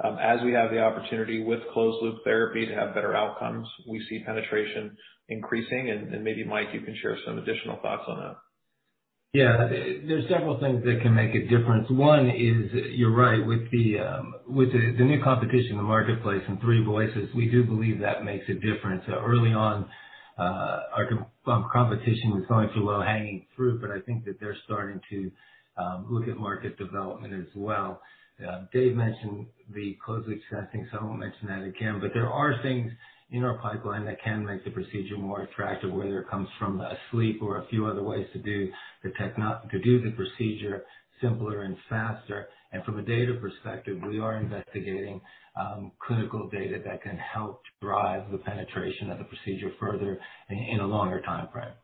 As we have the opportunity with closed loop therapy to have better outcomes, we see penetration increasing. Maybe, Mike, you can share some additional thoughts on that.
Yeah. There's several things that can make a difference. One is, you're right, with the new competition in the marketplace and three voices, we do believe that makes a difference. Early on, our competition was going through low-hanging fruit, but I think that they're starting to look at market development as well. Dave mentioned the closed-loop, so I won't mention that again. There are things in our pipeline that can make the procedure more attractive, whether it comes from asleep or a few other ways to do the procedure simpler and faster. From a data perspective, we are investigating clinical data that can help drive the penetration of the procedure further in a longer timeframe.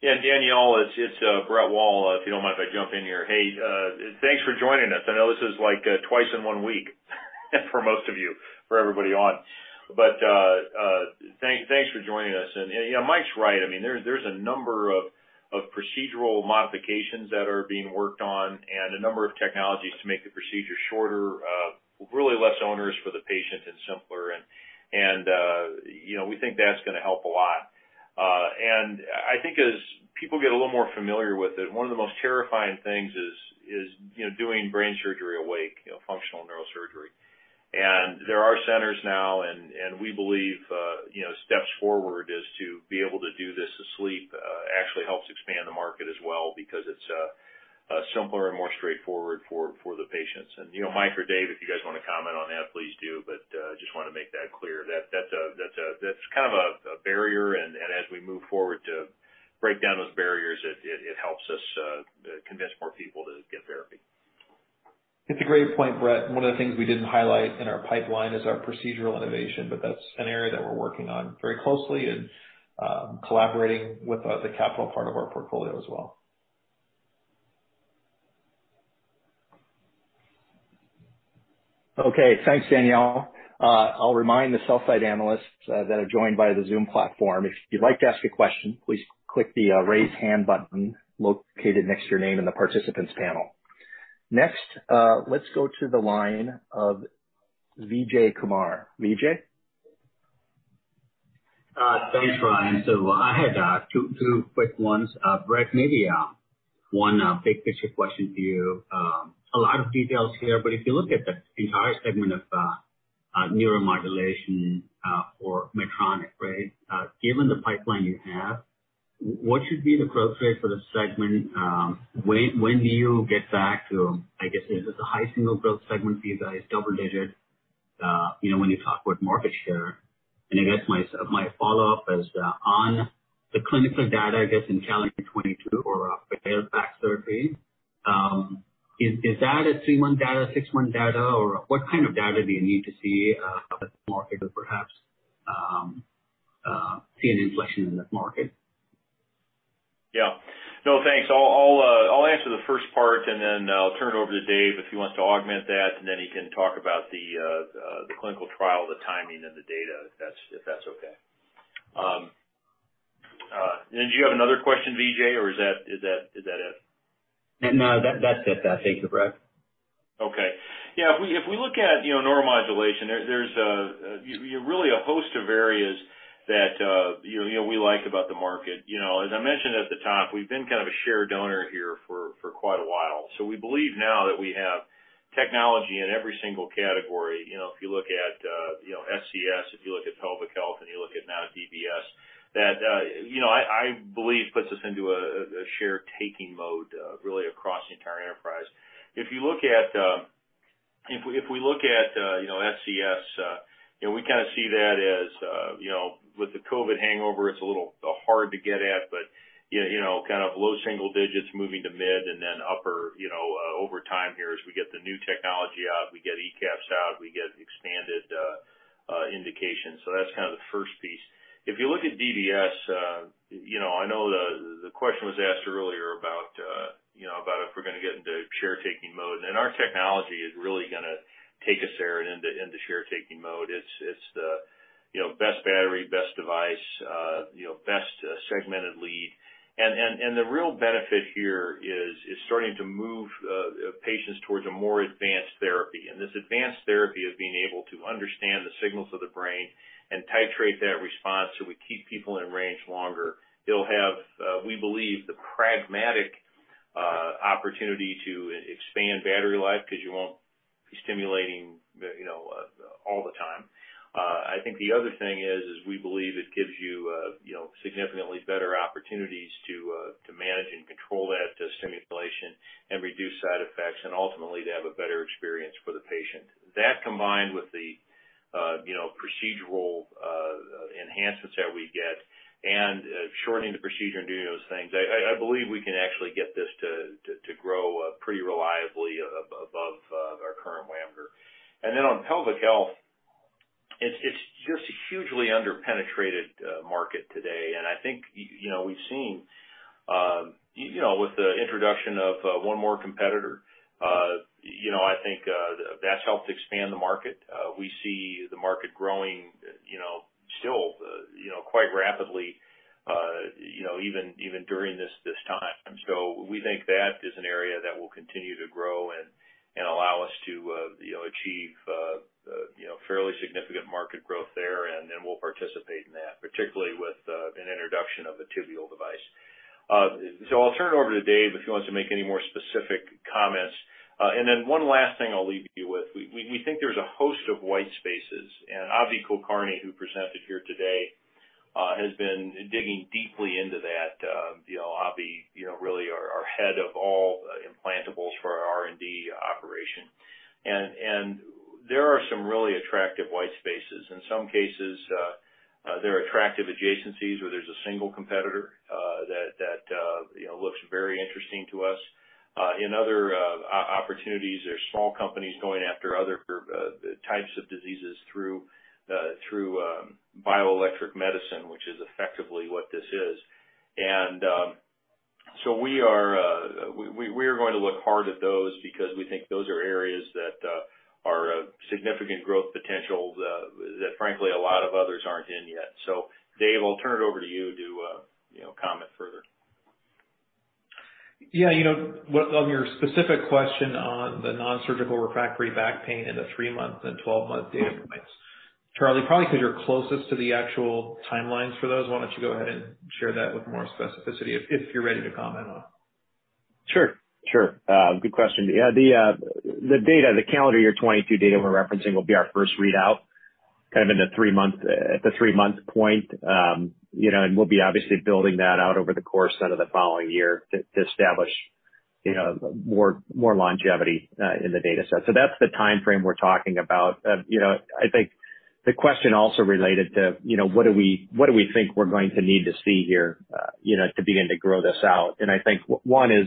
Yeah, Danielle, it's Brett Wall, if you don't mind if I jump in here. Hey, thanks for joining us. I know this is like twice in one week for most of you, for everybody on. Thanks for joining us. Yeah, Mike's right. There's a number of procedural modifications that are being worked on and a number of technologies to make the procedure shorter, really less onerous for the patient and simpler. We think that's going to help a lot. I think as people get a little more familiar with it, one of the most terrifying things is doing brain surgery awake, functional neurosurgery. There are centers now, and we believe steps forward is to be able to do this asleep actually helps expand the market as well because it's simpler and more straightforward for the patients. Mike or Dave, if you guys want to comment on that, please do. Just want to make that clear that that's kind of a barrier, and as we move forward to break down those barriers, it helps us convince more people to get therapy.
It's a great point, Brett. One of the things we didn't highlight in our pipeline is our procedural innovation, but that's an area that we're working on very closely and collaborating with the capital part of our portfolio as well.
Okay. Thanks, Danielle. I'll remind the sell-side analysts that are joined by the Zoom platform, if you'd like to ask a question, please click the Raise Hand button located next to your name in the Participants panel. Next, let's go to the line of Vijay Kumar. Vijay?
Thanks, Ryan. I had two quick ones. Brett, maybe one big picture question for you. A lot of details here, but if you look at the entire segment of neuromodulation for Medtronic, given the pipeline you have, what should be the growth rate for the segment? When do you get back to, I guess, is this a high single growth segment for you guys, double digits, when you talk about market share? I guess my follow-up is on the clinical data, I guess, in calendar 2022 for failed back therapy, is that a three-month data, six-month data, or what kind of data do you need to see out of the market or perhaps see an inflection in the market?
Yeah. No, thanks. I'll answer the first part, and then I'll turn it over to Dave if he wants to augment that, and then he can talk about the clinical trial, the timing, and the data, if that's okay. Did you have another question, Vijay, or is that it?
No, that's it. Thank you, Brett.
Okay. Yeah, if we look at neuromodulation, there's really a host of areas that we like about the market. As I mentioned at the top, we've been kind of a share donor here for quite a while. We believe now that we have technology in every single category. If you look at SCS, if you look at pelvic health, and you look at now DBS, that I believe puts us into a share taking mode really across the entire enterprise. If we look at SCS, we kind of see that as with the COVID hangover, it's a little hard to get at, but kind of low single digits moving to mid and then upper over time here as we get the new technology out, we get ECAPs out, we get expanded indications. That's kind of the first piece. If you look at DBS, I know the question was asked earlier about if we're going to get into share taking mode. Our technology is really going to take us there and into share taking mode. It's the best battery, best device, best segmented lead. The real benefit here is starting to move patients towards a more advanced therapy. This advanced therapy is being able to understand the signals of the brain and titrate that response so we keep people in range longer. It'll have, we believe, the pragmatic opportunity to expand battery life because you won't be stimulating all the time. The other thing is, we believe it gives you significantly better opportunities to manage and control that stimulation and reduce side effects, and ultimately, to have a better experience for the patient. That combined with the procedural enhancements that we get and shortening the procedure and doing those things, I believe we can actually get this to grow pretty reliably above our current WAMGR. On pelvic health, it's just a hugely under-penetrated market today. I think we've seen with the introduction of one more competitor, I think that's helped expand the market. We see the market growing still quite rapidly even during this time. We think that is an area that will continue to grow and allow us to achieve fairly significant market growth there, and then we'll participate in that, particularly with an introduction of a tibial device. I'll turn it over to Dave if he wants to make any more specific comments. One last thing I'll leave you with, we think there's a host of white spaces, Abhi Kulkarni, who presented here today, has been digging deeply into that. Abhi really our head of all implantables for our R&D operation. There are some really attractive white spaces. In some cases, there are attractive adjacencies where there's a single competitor that looks very interesting to us. In other opportunities, there's small companies going after other types of diseases through bioelectric medicine, which is effectively what this is. We are going to look hard at those because we think those are areas that are a significant growth potential that frankly, a lot of others aren't in yet. Dave, I'll turn it over to you to comment further.
Yeah. On your specific question on the non-surgical refractory back pain and the three-month and 12-month data points, Charlie, probably because you're closest to the actual timelines for those, why don't you go ahead and share that with more specificity if you're ready to comment on it?
Sure. Good question. Yeah, the calendar year 2022 data we're referencing will be our first readout. At the three-month point, we'll be obviously building that out over the course of the following year to establish more longevity in the data set. That's the timeframe we're talking about. I think the question also related to what do we think we're going to need to see here to begin to grow this out? I think one is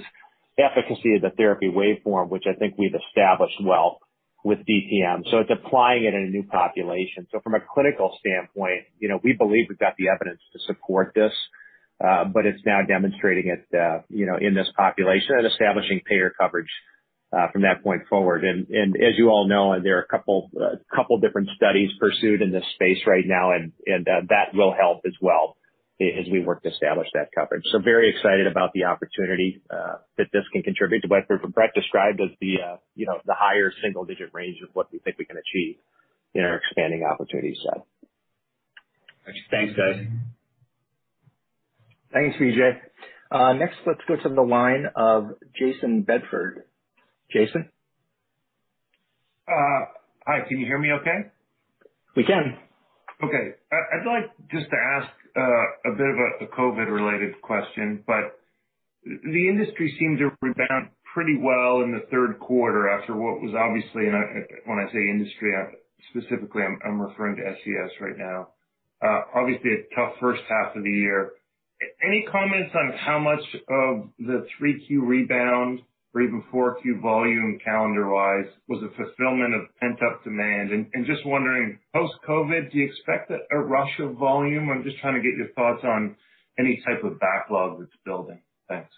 efficacy of the therapy waveform, which I think we've established well with DTM. It's applying it in a new population. From a clinical standpoint, we believe we've got the evidence to support this, it's now demonstrating it in this population and establishing payer coverage from that point forward. As you all know, there are a couple different studies pursued in this space right now, and that will help as well as we work to establish that coverage. Very excited about the opportunity that this can contribute to what Brett described as the higher single-digit range of what we think we can achieve in our expanding opportunity set.
Thanks, guys.
Thanks, Vijay. Next, let's go to the line of Jayson Bedford. Jayson?
Hi, can you hear me okay?
We can.
Okay. I'd like just to ask a bit of a COVID-related question. The industry seemed to rebound pretty well in the third quarter after what was obviously, and when I say industry, specifically, I'm referring to SCS right now. Obviously a tough first half of the year. Any comments on how much of the 3Q rebound or even 4Q volume calendar-wise was a fulfillment of pent-up demand? Just wondering, post-COVID, do you expect a rush of volume? I'm just trying to get your thoughts on any type of backlog that's building. Thanks.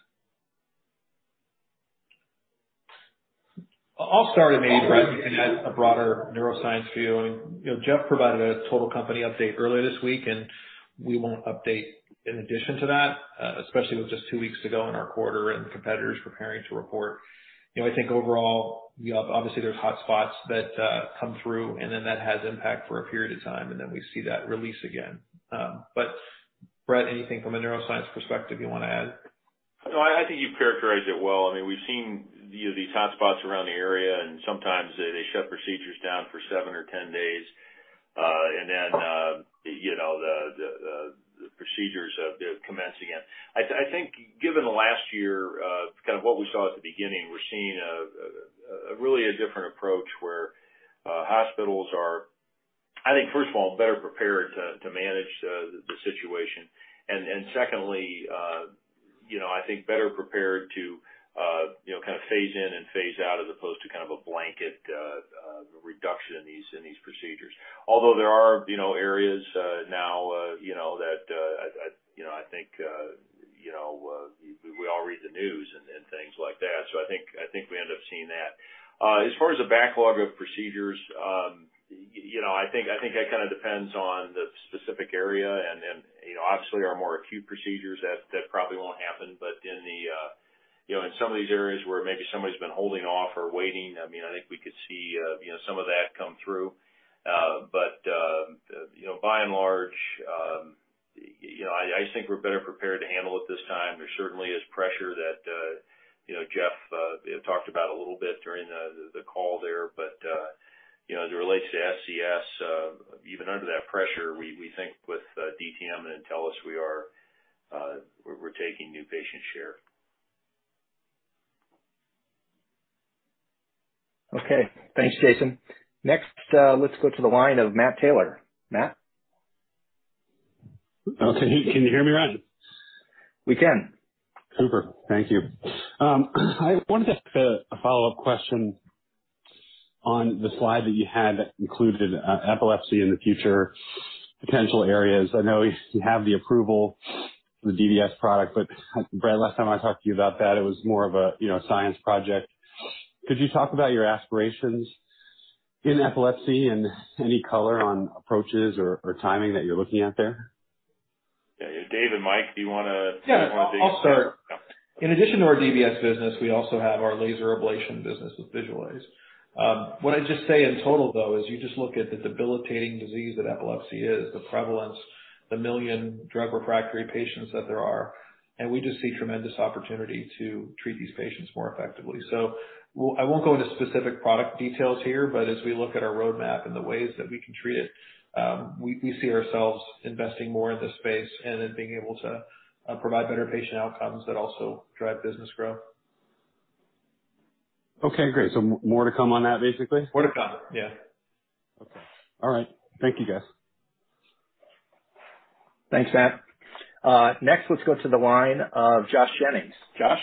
I'll start and maybe, Brett, you can add a broader neuroscience view. Geoff provided a total company update earlier this week, and we won't update in addition to that, especially with just two weeks to go in our quarter and competitors preparing to report. I think overall, obviously there's hotspots that come through, and then that has impact for a period of time, and then we see that release again. Brett, anything from a neuroscience perspective you want to add?
No, I think you've characterized it well. We've seen these hotspots around the area, and sometimes they shut procedures down for seven or 10 days. Then the procedures commence again. I think given the last year, kind of what we saw at the beginning, we're seeing really a different approach where hospitals are, I think, first of all, better prepared to manage the situation. Secondly, I think better prepared to kind of phase in and phase out as opposed to kind of a blanket reduction in these procedures. Although there are areas now that I think we all read the news and things like that. I think we end up seeing that. As far as the backlog of procedures, I think that kind of depends on the specific area, and obviously our more acute procedures, that probably won't happen. In some of these areas where maybe somebody's been holding off or waiting, I think we could see some of that come through. By and large, I think we're better prepared to handle it this time. There certainly is pressure that Geoff talked about a little bit during the call there. As it relates to SCS, even under that pressure, we think with DTM and Intellis, we're taking new patient share.
Okay. Thanks, Jayson. Next, let's go to the line of Matt Taylor. Matt?
Can you hear me, Ryan?
We can.
Super. Thank you. I wanted to ask a follow-up question on the slide that you had that included epilepsy in the future potential areas. I know you have the approval for the DBS product, but Brett, last time I talked to you about that, it was more of a science project. Could you talk about your aspirations in epilepsy and any color on approaches or timing that you're looking at there?
Yeah. Dave and Mike, do you want to take-.
Yeah, I'll start.
Yeah.
In addition to our DBS business, we also have our laser ablation business with Visualase. What I'd just say in total, though, is you just look at the debilitating disease that epilepsy is, the prevalence, the million drug-refractory patients that there are. We just see tremendous opportunity to treat these patients more effectively. I won't go into specific product details here, but as we look at our roadmap and the ways that we can treat it, we see ourselves investing more in this space and then being able to provide better patient outcomes that also drive business growth.
Okay, great. More to come on that, basically?
More to come. Yeah.
Okay. All right. Thank you, guys.
Thanks, Matt. Next, let's go to the line of Josh Jennings. Josh?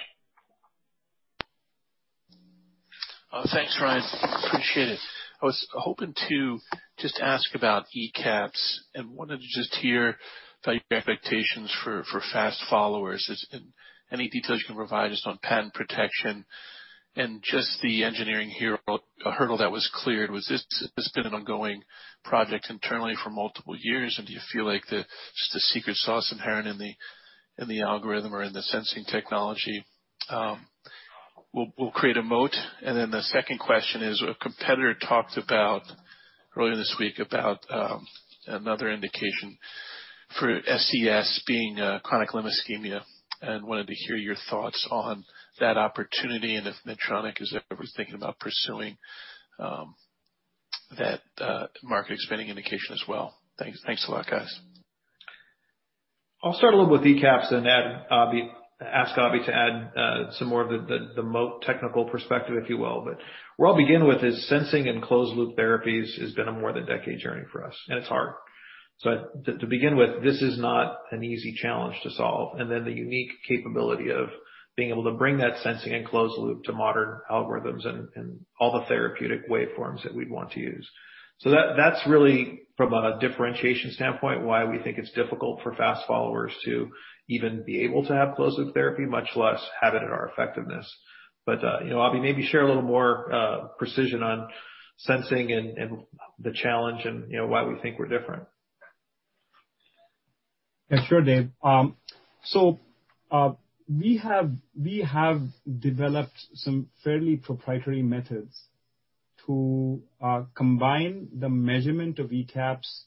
Thanks, Ryan. Appreciate it. I was hoping to just ask about ECAPs and wanted to just hear about your expectations for fast followers as in any details you can provide just on patent protection and just the engineering hurdle that was cleared. This has been an ongoing project internally for multiple years, and do you feel like just the secret sauce inherent in the algorithm or in the sensing technology will create a moat? The second question is, a competitor talked earlier this week about another indication. For SCS being chronic limb ischemia and wanted to hear your thoughts on that opportunity and if Medtronic is ever thinking about pursuing that market expanding indication as well. Thanks a lot, guys.
I'll start a little with ECAPs and ask Abhi to add some more of the moat technical perspective, if you will. Where I'll begin with is sensing and closed loop therapies has been a more than decade journey for us, and it's hard. To begin with, this is not an easy challenge to solve. The unique capability of being able to bring that sensing and closed loop to modern algorithms and all the therapeutic waveforms that we'd want to use. That's really, from a differentiation standpoint, why we think it's difficult for fast followers to even be able to have closed loop therapy, much less have it at our effectiveness. Abhi, maybe share a little more precision on sensing and the challenge and why we think we're different.
Yeah, sure, Dave. We have developed some fairly proprietary methods to combine the measurement of ECAPS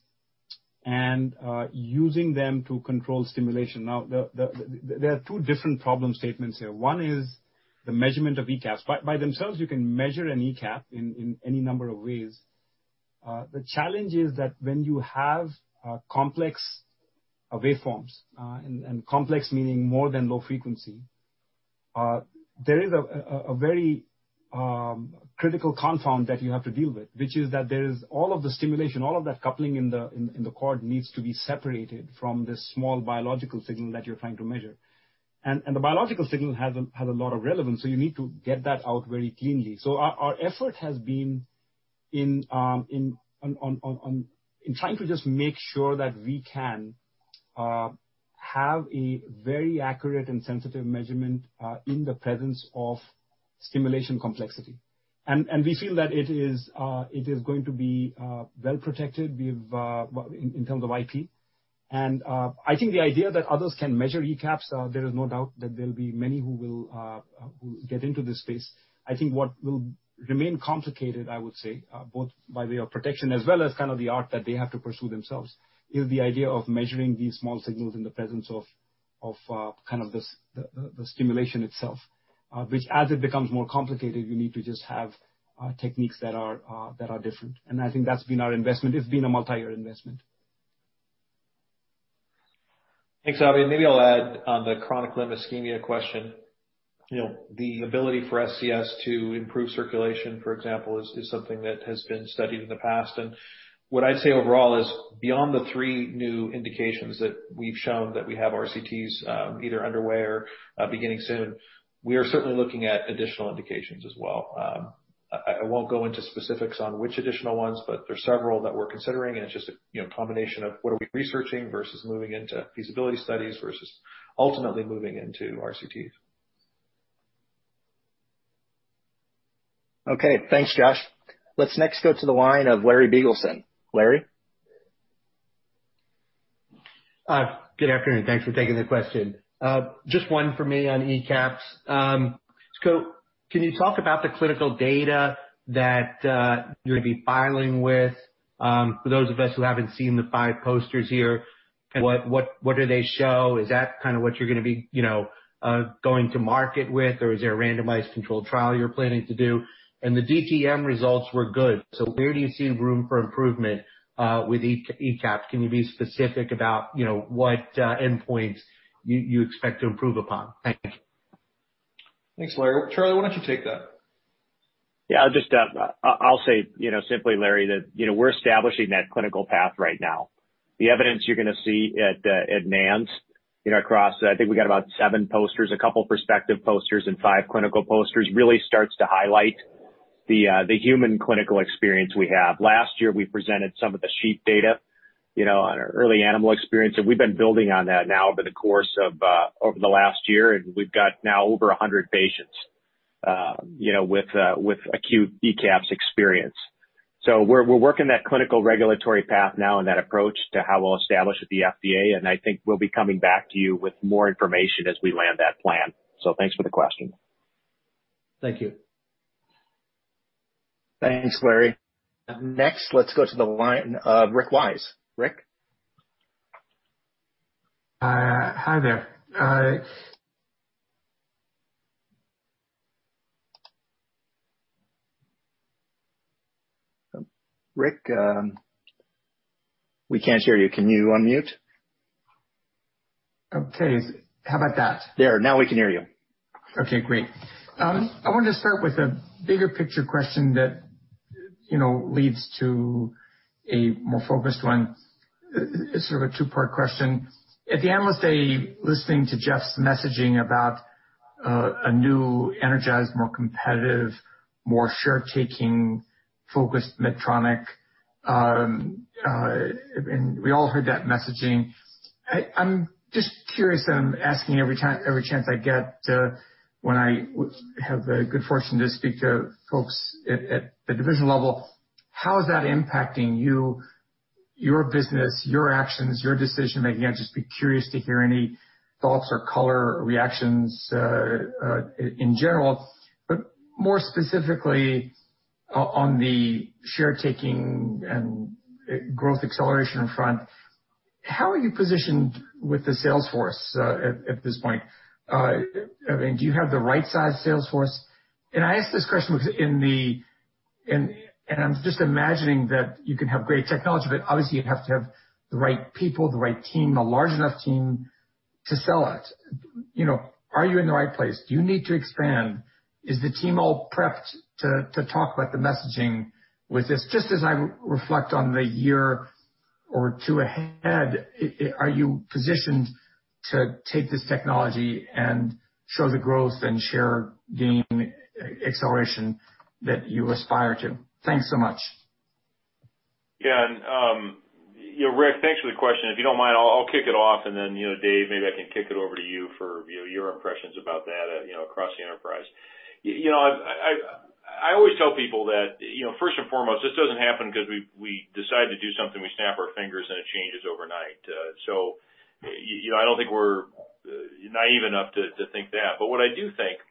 and using them to control stimulation. There are two different problem statements here. One is the measurement of ECAPS. By themselves, you can measure an ECAP in any number of ways. The challenge is that when you have complex waveforms, and complex meaning more than low frequency, there is a very critical confound that you have to deal with, which is that there is all of the stimulation, all of that coupling in the cord needs to be separated from this small biological signal that you're trying to measure. The biological signal has a lot of relevance, you need to get that out very cleanly. Our effort has been in trying to just make sure that we can have a very accurate and sensitive measurement, in the presence of stimulation complexity. We feel that it is going to be well-protected in terms of IP. I think the idea that others can measure ECAPs, there is no doubt that there'll be many who will get into this space. I think what will remain complicated, I would say, both by way of protection as well as kind of the art that they have to pursue themselves, is the idea of measuring these small signals in the presence of kind of the stimulation itself, which as it becomes more complicated, you need to just have techniques that are different. I think that's been our investment. It's been a multi-year investment.
Thanks, Abhi. Maybe I'll add on the chronic limb ischemia question. The ability for SCS to improve circulation, for example, is something that has been studied in the past. What I'd say overall is beyond the three new indications that we've shown that we have RCTs either underway or beginning soon, we are certainly looking at additional indications as well. I won't go into specifics on which additional ones, but there's several that we're considering, and it's just a combination of what are we researching versus moving into feasibility studies versus ultimately moving into RCTs.
Okay. Thanks, Josh. Let's next go to the line of Larry Biegelsen. Larry?
Good afternoon. Thanks for taking the question. Just one for me on ECAPs. Can you talk about the clinical data that you're going to be filing with? For those of us who haven't seen the five posters here, what do they show? Is that kind of what you're going to be going to market with, or is there a randomized controlled trial you're planning to do? The DTM results were good. Where do you see room for improvement with ECAP? Can you be specific about what endpoints you expect to improve upon? Thank you.
Thanks, Larry. Charlie, why don't you take that?
Yeah. I'll say simply, Larry, that we're establishing that clinical path right now. The evidence you're going to see at NANS across, I think we got about seven posters, a couple prospective posters and five clinical posters, really starts to highlight the human clinical experience we have. Last year, we presented some of the sheep data on our early animal experience, and we've been building on that now over the course of over the last year, and we've got now over 100 patients with acute ECAPs experience. We're working that clinical regulatory path now and that approach to how we'll establish with the FDA, and I think we'll be coming back to you with more information as we land that plan. Thanks for the question.
Thank you.
Thanks, Larry. Next, let's go to the line of Rick Wise. Rick?
Hi there.
Rick, we can't hear you. Can you unmute?
Okay. How about that?
There, now we can hear you.
Okay, great. I wanted to start with a bigger picture question that leads to a more focused one. It's sort of a two-part question. At the Investor Day, listening to Geoff's messaging about a new, energized, more competitive, more share taking focused Medtronic. We all heard that messaging. I'm just curious, and I'm asking every chance I get when I have the good fortune to speak to folks at the division level, how is that impacting you, your business, your actions, your decision-making? I'd just be curious to hear any thoughts or color or reactions in general. More specifically, on the share taking and growth acceleration front, how are you positioned with the sales force at this point? Do you have the right size sales force? I ask this question because I'm just imagining that you can have great technology, but obviously you'd have to have the right people, the right team, a large enough team to sell it. Are you in the right place? Do you need to expand? Is the team all prepped to talk about the messaging with this? As I reflect on the year or two ahead, are you positioned to take this technology and show the growth and share gain acceleration that you aspire to? Thanks so much.
Rick, thanks for the question. If you don't mind, I'll kick it off and then, Dave, maybe I can kick it over to you for your impressions about that across the enterprise. I always tell people that, first and foremost, this doesn't happen because we decide to do something, we snap our fingers, and it changes overnight. I don't think we're naive enough to think that. What I do think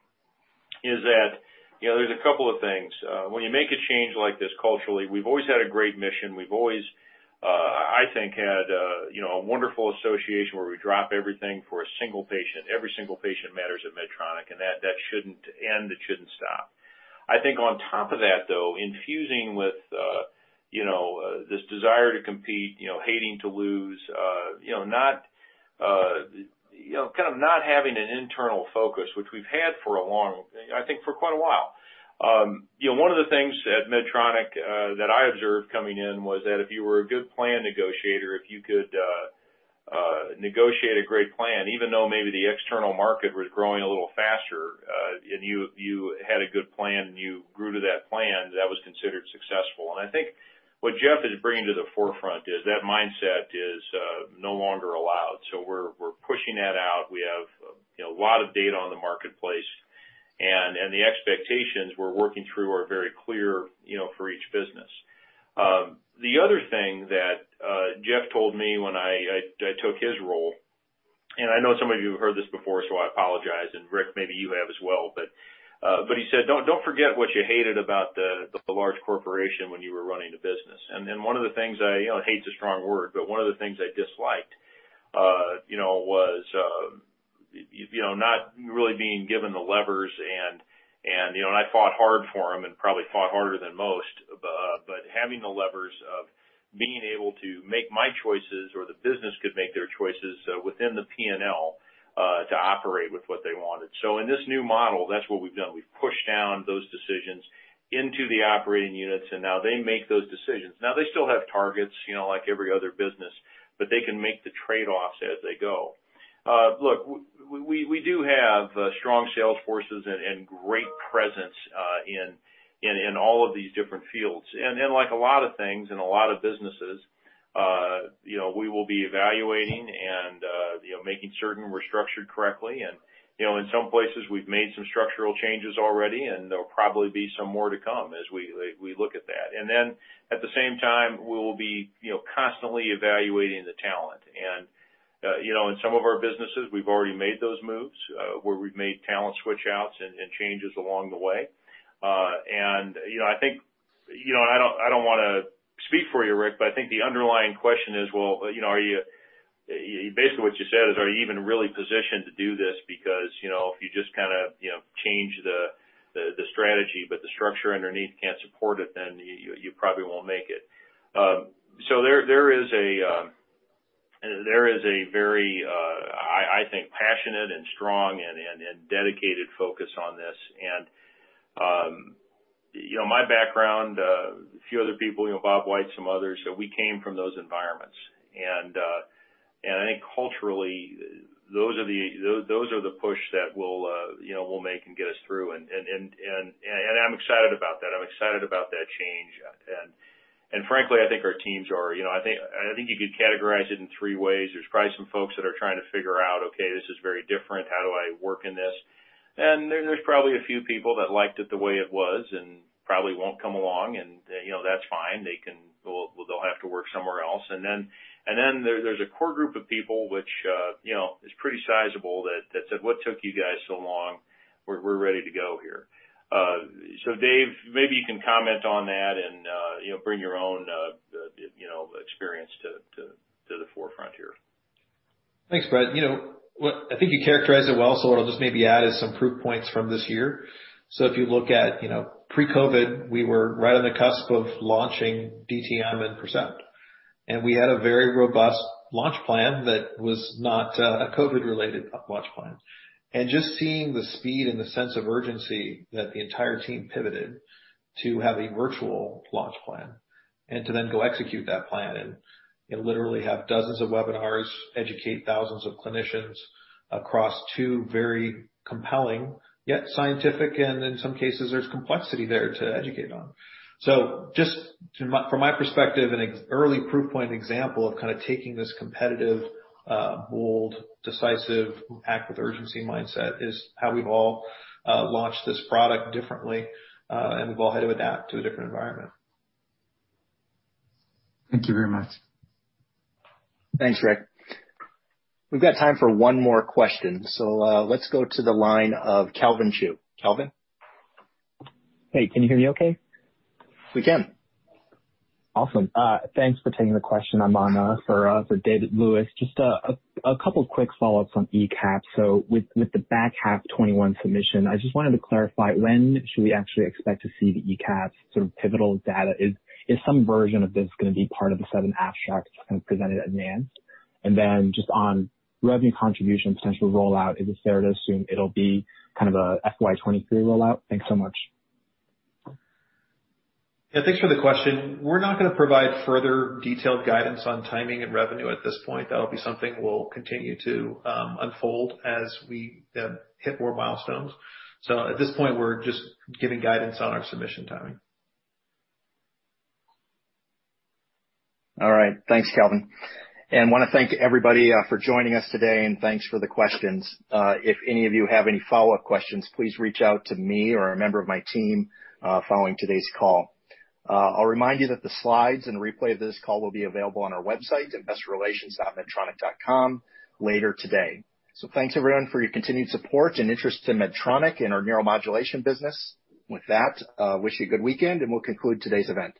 is that there's a couple of things. When you make a change like this culturally, we've always had a great mission, we've always, I think, had a wonderful association where we drop everything for a single patient. Every single patient matters at Medtronic, and that shouldn't end, it shouldn't stop. I think on top of that, though, infusing with this desire to compete, hating to lose, kind of not having an internal focus, which we've had for a long, I think, for quite a while. One of the things at Medtronic that I observed coming in was that if you were a good plan negotiator, if you could negotiate a great plan, even though maybe the external market was growing a little faster, and you had a good plan, and you grew to that plan, that was considered successful. I think what Geoff is bringing to the forefront is that mindset is no longer allowed. We're pushing that out. We have a lot of data on the marketplace, and the expectations we're working through are very clear for each business. The other thing that Geoff told me when I took his role, and I know some of you have heard this before, so I apologize, and Rick, maybe you have as well, but he said, "Don't forget what you hated about the large corporation when you were running the business." One of the things, hate's a strong word, but one of the things I disliked was not really being given the levers and I fought hard for them and probably fought harder than most. Having the levers of being able to make my choices or the business could make their choices within the P&L to operate with what they wanted. In this new model, that's what we've done. We've pushed down those decisions into the operating units, and now they make those decisions. Now they still have targets, like every other business, but they can make the trade-offs as they go. Look, we do have strong sales forces and great presence in all of these different fields. Like a lot of things, in a lot of businesses, we will be evaluating and making certain we're structured correctly. In some places we've made some structural changes already, and there will probably be some more to come as we look at that. At the same time, we will be constantly evaluating the talent. In some of our businesses, we've already made those moves, where we've made talent switch outs and changes along the way. I don't want to speak for you, Rick, but I think the underlying question is, basically what you said is, are you even really positioned to do this? If you just kind of change the strategy, but the structure underneath can't support it, then you probably won't make it. There is a very, I think, passionate and strong and dedicated focus on this. My background, a few other people, Bob White, some others, so we came from those environments. I think culturally, those are the push that we'll make and get us through, and I'm excited about that. I'm excited about that change. Frankly, I think our teams are. I think you could categorize it in three ways. There's probably some folks that are trying to figure out, okay, this is very different. How do I work in this? There's probably a few people that liked it the way it was and probably won't come along, and that's fine. They'll have to work somewhere else. There's a core group of people, which is pretty sizable, that said, "What took you guys so long? We're ready to go here." Dave, maybe you can comment on that and bring your own experience to the forefront here.
Thanks, Brett. I think you characterized it well, what I'll just maybe add is some proof points from this year. If you look at pre-COVID, we were right on the cusp of launching DTM and Percept. We had a very robust launch plan that was not a COVID-related launch plan. Just seeing the speed and the sense of urgency that the entire team pivoted to have a virtual launch plan and to then go execute that plan and literally have dozens of webinars, educate thousands of clinicians across two very compelling, yet scientific, and in some cases, there's complexity there to educate on. Just from my perspective, an early proof point example of kind of taking this competitive, bold, decisive, act with urgency mindset is how we've all launched this product differently. We've all had to adapt to a different environment.
Thank you very much.
Thanks, Rick. We've got time for one more question. Let's go to the line of Calvin Xu. Calvin?
Hey, can you hear me okay?
We can.
Awesome. Thanks for taking the question. I'm on for David Lewis. Just a couple quick follow-ups on ECAP. With the back half 2021 submission, I just wanted to clarify, when should we actually expect to see the ECAP sort of pivotal data? Is some version of this going to be part of the seven abstracts kind of presented at NANS? Just on revenue contribution potential rollout, is it fair to assume it'll be kind of a FY 2023 rollout? Thanks so much.
Yeah, thanks for the question. We're not going to provide further detailed guidance on timing and revenue at this point. That'll be something we'll continue to unfold as we hit more milestones. At this point, we're just giving guidance on our submission timing.
All right. Thanks, Calvin. Want to thank everybody for joining us today, and thanks for the questions. If any of you have any follow-up questions, please reach out to me or a member of my team following today's call. I'll remind you that the slides and replay of this call will be available on our website, investorrelations.medtronic.com, later today. Thanks, everyone, for your continued support and interest in Medtronic and our neuromodulation business. With that, wish you a good weekend, and we'll conclude today's event.